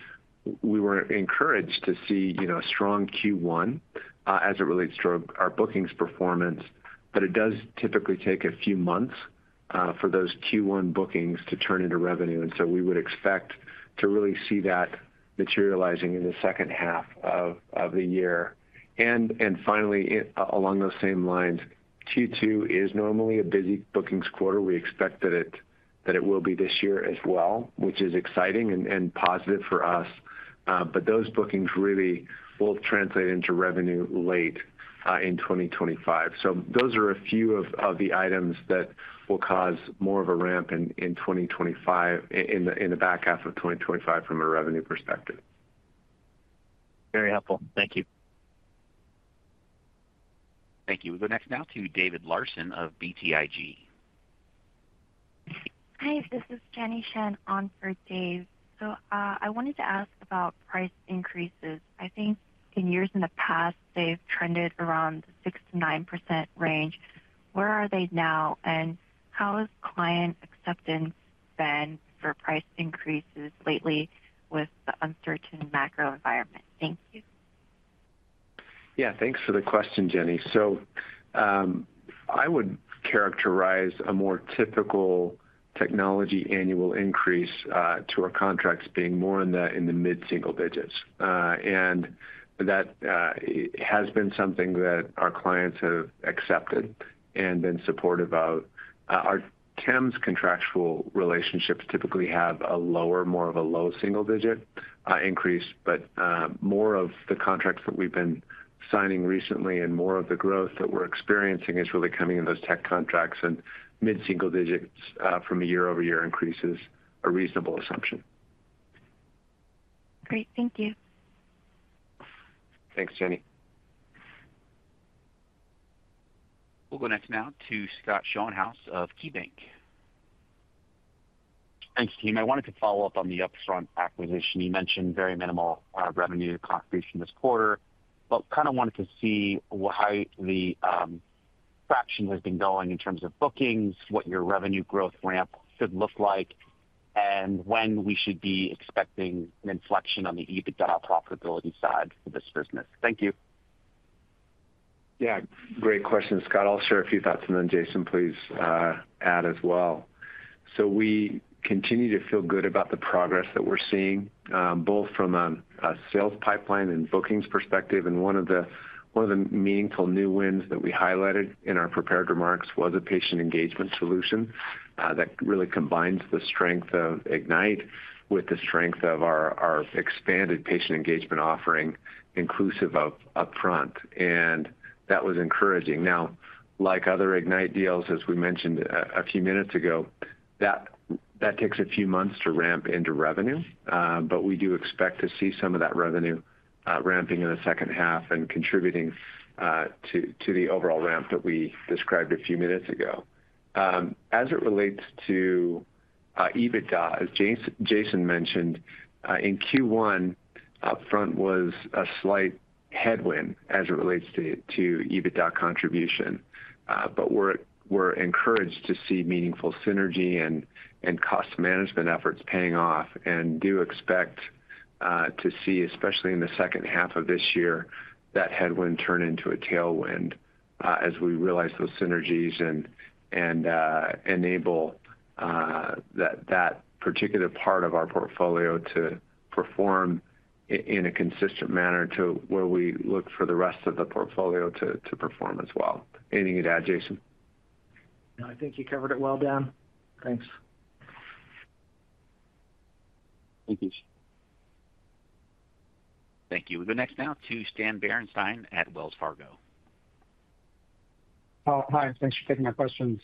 we were encouraged to see a strong Q1 as it relates to our bookings performance, but it does typically take a few months for those Q1 bookings to turn into revenue. We would expect to really see that materializing in the second half of the year. Finally, along those same lines, Q2 is normally a busy bookings quarter. We expect that it will be this year as well, which is exciting and positive for us. Those bookings really will translate into revenue late in 2025. Those are a few of the items that will cause more of a ramp in 2025, in the back half of 2025 from a revenue perspective. Very helpful. Thank you. Thank you. We go next now to David Larsen of BTIG. Hi. This is Jenny Shen on for Dave. I wanted to ask about price increases. I think in years in the past, they've trended around the 6-9% range. Where are they now? How has client acceptance been for price increases lately with the uncertain macro environment? Thank you. Yeah. Thanks for the question, Jenny. I would characterize a more typical technology annual increase to our contracts being more in the mid-single digits. That has been something that our clients have accepted and been supportive of. Our TEMS contractual relationships typically have a lower, more of a low single-digit increase, but more of the contracts that we've been signing recently and more of the growth that we're experiencing is really coming in those tech contracts. Mid-single digits from a year-over-year increase is a reasonable assumption. Great. Thank you. Thanks, Jenny. We'll go next now to Scott Schoenhaus of KeyBanc. Thanks, team. I wanted to follow up on the Upfront acquisition. You mentioned very minimal revenue costs this quarter, but kind of wanted to see how the traction has been going in terms of bookings, what your revenue growth ramp could look like, and when we should be expecting an inflection on the EBITDA profitability side for this business. Thank you. Yeah. Great question, Scott. I'll share a few thoughts. Jason, please add as well. We continue to feel good about the progress that we're seeing, both from a sales pipeline and bookings perspective. One of the meaningful new wins that we highlighted in our prepared remarks was a patient engagement solution that really combines the strength of Ignite with the strength of our expanded patient engagement offering inclusive of Upfront. That was encouraging. Like other Ignite deals, as we mentioned a few minutes ago, that takes a few months to ramp into revenue, but we do expect to see some of that revenue ramping in the second half and contributing to the overall ramp that we described a few minutes ago. As it relates to EBITDA, as Jason mentioned, in Q1, Upfront was a slight headwind as it relates to EBITDA contribution. We're encouraged to see meaningful synergy and cost management efforts paying off. We do expect to see, especially in the second half of this year, that headwind turn into a tailwind as we realize those synergies and enable that particular part of our portfolio to perform in a consistent manner to where we look for the rest of the portfolio to perform as well. Anything to add, Jason? No, I think you covered it well, Dan. Thanks. Thank you. Thank you. We go next now to Stan Berenshteyn at Wells Fargo. Hi. Thanks for taking my questions.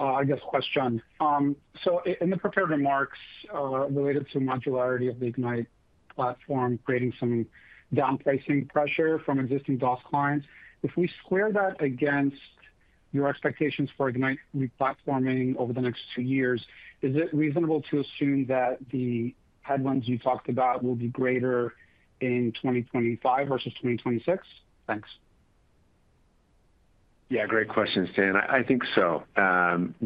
I guess question. In the prepared remarks related to modularity of the Ignite platform, creating some down pricing pressure from existing DOS clients, if we square that against your expectations for Ignite replatforming over the next two years, is it reasonable to assume that the headwinds you talked about will be greater in 2025 versus 2026? Thanks. Yeah. Great question, Stan. I think so,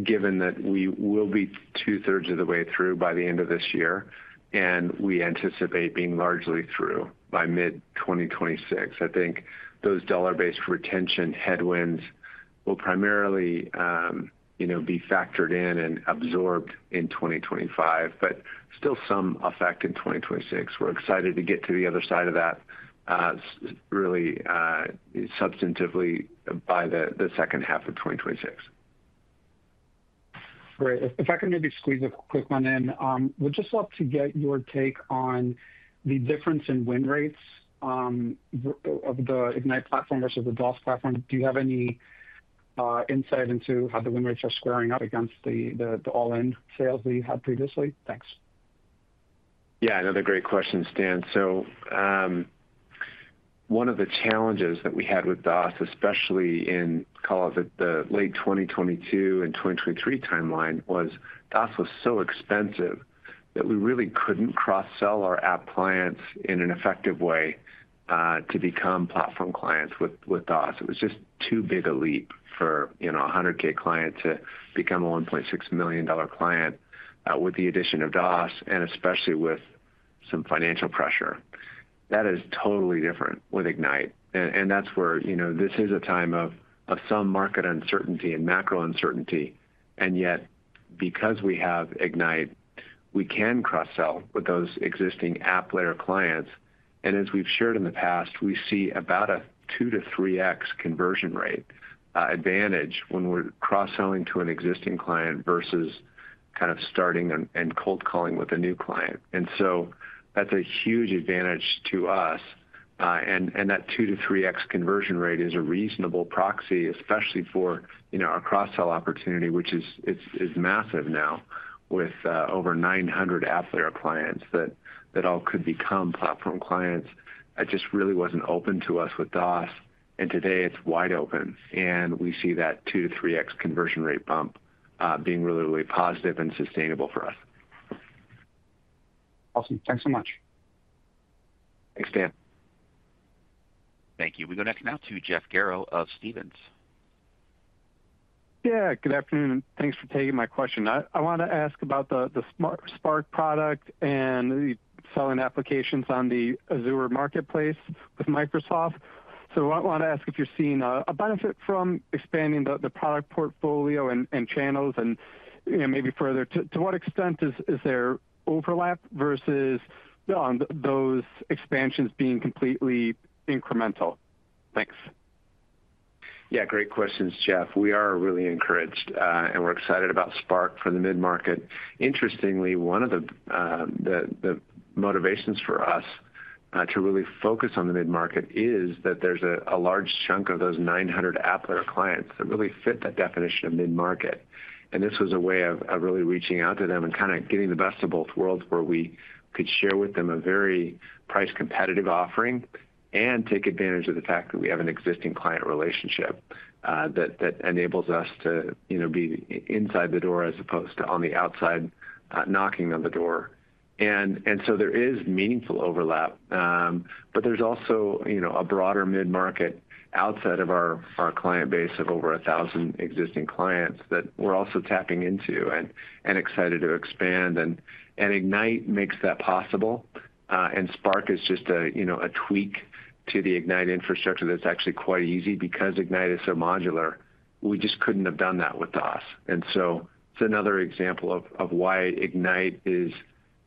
given that we will be two-thirds of the way through by the end of this year, and we anticipate being largely through by mid-2026. I think those dollar-based retention headwinds will primarily be factored in and absorbed in 2025, but still some effect in 2026. We're excited to get to the other side of that really substantively by the second half of 2026. Great. If I can maybe squeeze a quick one in, we'd just love to get your take on the difference in win rates of the Ignite platform versus the DOS platform. Do you have any insight into how the win rates are squaring up against the all-in sales that you had previously? Thanks. Yeah. Another great question, Stan. One of the challenges that we had with DOS, especially in, call it the late 2022 and 2023 timeline, was DOS was so expensive that we really couldn't cross-sell our app clients in an effective way to become platform clients with DOS. It was just too big a leap for a $100,000 client to become a $1.6 million client with the addition of DOS, and especially with some financial pressure. That is totally different with Ignite. That is where this is a time of some market uncertainty and macro uncertainty. Yet, because we have Ignite, we can cross-sell with those existing app layer clients. As we've shared in the past, we see about a 2-3x conversion rate advantage when we're cross-selling to an existing client versus kind of starting and cold calling with a new client. That is a huge advantage to us. That 2-3x conversion rate is a reasonable proxy, especially for our cross-sell opportunity, which is massive now with over 900 app layer clients that all could become platform clients. It just really was not open to us with DOS. Today it is wide open. We see that 2-3x conversion rate bump being really, really positive and sustainable for us. Awesome. Thanks so much. Thanks, Stan. Thank you. We go next now to Jeff Garro of Stephens. Yeah. Good afternoon. Thanks for taking my question. I want to ask about the Spark product and the selling applications on the Azure Marketplace with Microsoft. I want to ask if you're seeing a benefit from expanding the product portfolio and channels and maybe further. To what extent is there overlap versus those expansions being completely incremental? Thanks. Yeah. Great questions, Jeff. We are really encouraged, and we're excited about Spark for the mid-market. Interestingly, one of the motivations for us to really focus on the mid-market is that there's a large chunk of those 900 app layer clients that really fit that definition of mid-market. This was a way of really reaching out to them and kind of getting the best of both worlds where we could share with them a very price-competitive offering and take advantage of the fact that we have an existing client relationship that enables us to be inside the door as opposed to on the outside knocking on the door. There is meaningful overlap, but there's also a broader mid-market outside of our client base of over 1,000 existing clients that we're also tapping into and excited to expand. Ignite makes that possible. Spark is just a tweak to the Ignite infrastructure that's actually quite easy because Ignite is so modular. We just couldn't have done that with DOS. It is another example of why Ignite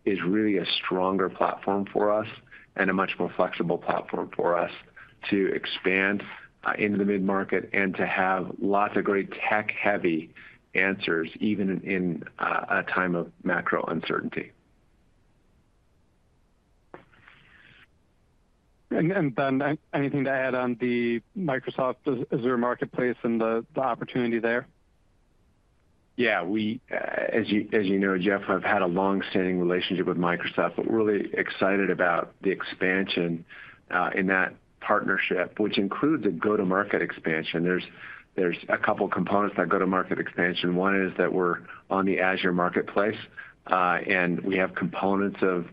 is really a stronger platform for us and a much more flexible platform for us to expand into the mid-market and to have lots of great tech-heavy answers even in a time of macro uncertainty. Anything to add on the Microsoft Azure Marketplace and the opportunity there? Yeah. As you know, Jeff, I've had a long-standing relationship with Microsoft, but really excited about the expansion in that partnership, which includes a go-to-market expansion. There's a couple of components to that go-to-market expansion. One is that we're on the Azure Marketplace, and we have components of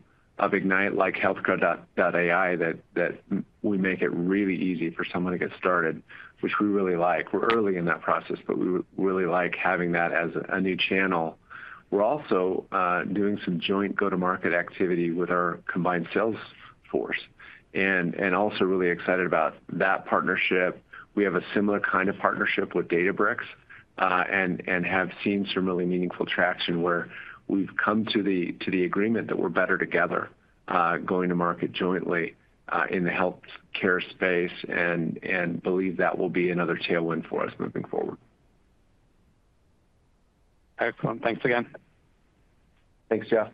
Ignite like healthcare.ai that we make it really easy for someone to get started, which we really like. We're early in that process, but we really like having that as a new channel. We're also doing some joint go-to-market activity with our combined sales force and also really excited about that partnership. We have a similar kind of partnership with Databricks and have seen some really meaningful traction where we've come to the agreement that we're better together going to market jointly in the healthcare space and believe that will be another tailwind for us moving forward. Excellent. Thanks again. Thanks, Jeff.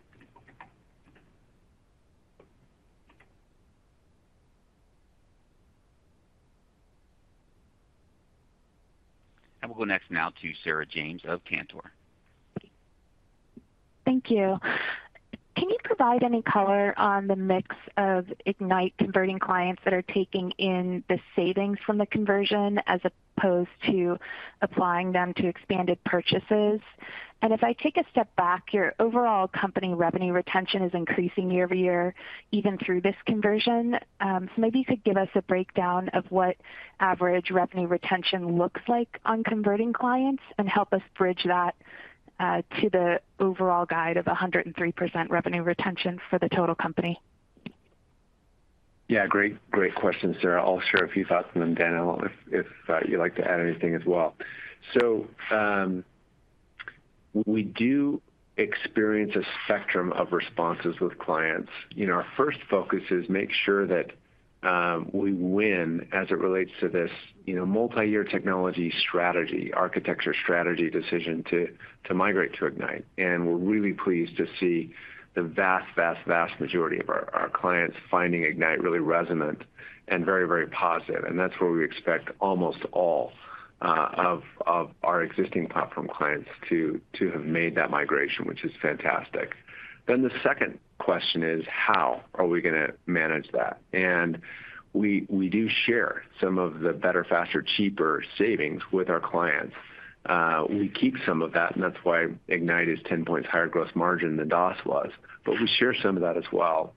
We'll go next now to Sarah James of Cantor. Thank you. Can you provide any color on the mix of Ignite converting clients that are taking in the savings from the conversion as opposed to applying them to expanded purchases? If I take a step back, your overall company revenue retention is increasing year over year, even through this conversion. Maybe you could give us a breakdown of what average revenue retention looks like on converting clients and help us bridge that to the overall guide of 103% revenue retention for the total company. Yeah. Great. Great question, Sarah. I'll share a few thoughts, and Dan, if you'd like to add anything as well. We do experience a spectrum of responses with clients. Our first focus is to make sure that we win as it relates to this multi-year technology strategy, architecture strategy decision to migrate to Ignite. We're really pleased to see the vast, vast, vast majority of our clients finding Ignite really resonant and very, very positive. That's where we expect almost all of our existing platform clients to have made that migration, which is fantastic. The second question is, how are we going to manage that? We do share some of the better, faster, cheaper savings with our clients. We keep some of that, and that's why Ignite is 10 percentage points higher gross margin than DOS was. We share some of that as well.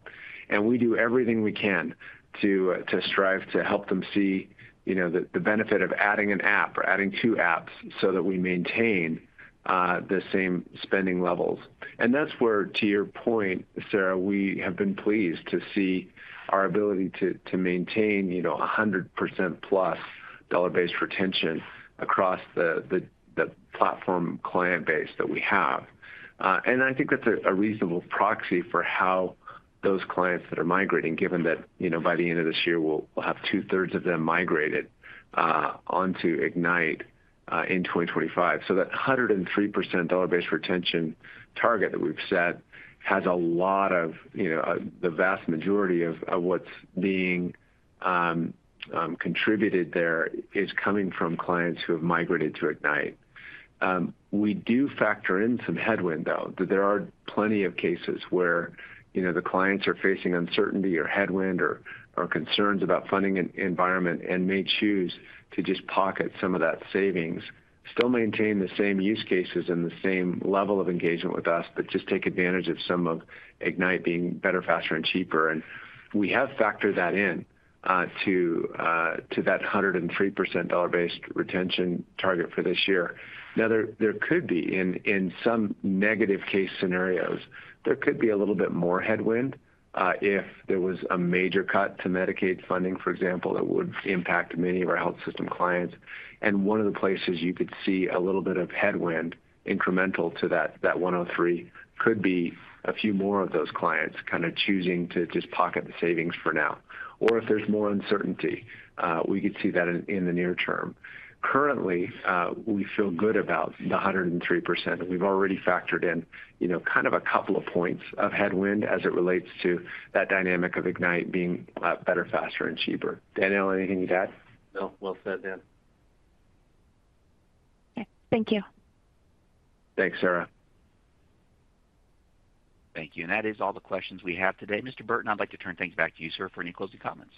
We do everything we can to strive to help them see the benefit of adding an app or adding two apps so that we maintain the same spending levels. That is where, to your point, Sarah, we have been pleased to see our ability to maintain 100%+ dollar-based retention across the platform client base that we have. I think that is a reasonable proxy for how those clients that are migrating, given that by the end of this year, we will have two-thirds of them migrated onto Ignite in 2025. That 103% dollar-based retention target that we have set has a lot of the vast majority of what is being contributed there coming from clients who have migrated to Ignite. We do factor in some headwind, though, that there are plenty of cases where the clients are facing uncertainty or headwind or concerns about funding environment and may choose to just pocket some of that savings, still maintain the same use cases and the same level of engagement with us, but just take advantage of some of Ignite being better, faster, and cheaper. We have factored that into that 103% dollar-based retention target for this year. There could be, in some negative case scenarios, there could be a little bit more headwind. If there was a major cut to Medicaid funding, for example, that would impact many of our health system clients. One of the places you could see a little bit of headwind incremental to that 103% could be a few more of those clients kind of choosing to just pocket the savings for now. Or if there's more uncertainty, we could see that in the near term. Currently, we feel good about the 103%. We've already factored in kind of a couple of points of headwind as it relates to that dynamic of Ignite being better, faster, and cheaper. Dan, anything you'd add? No. Well said, Dan. Thank you. Thanks, Sarah. Thank you. That is all the questions we have today. Mr. Burton, I'd like to turn things back to you, sir, for any closing comments.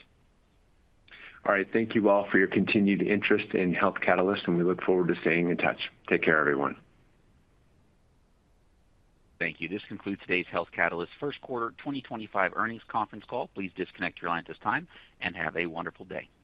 All right. Thank you all for your continued interest in Health Catalyst, and we look forward to staying in touch. Take care, everyone. Thank you. This concludes today's Health Catalyst first quarter 2025 earnings conference call. Please disconnect your line at this time and have a wonderful day. Goodbye.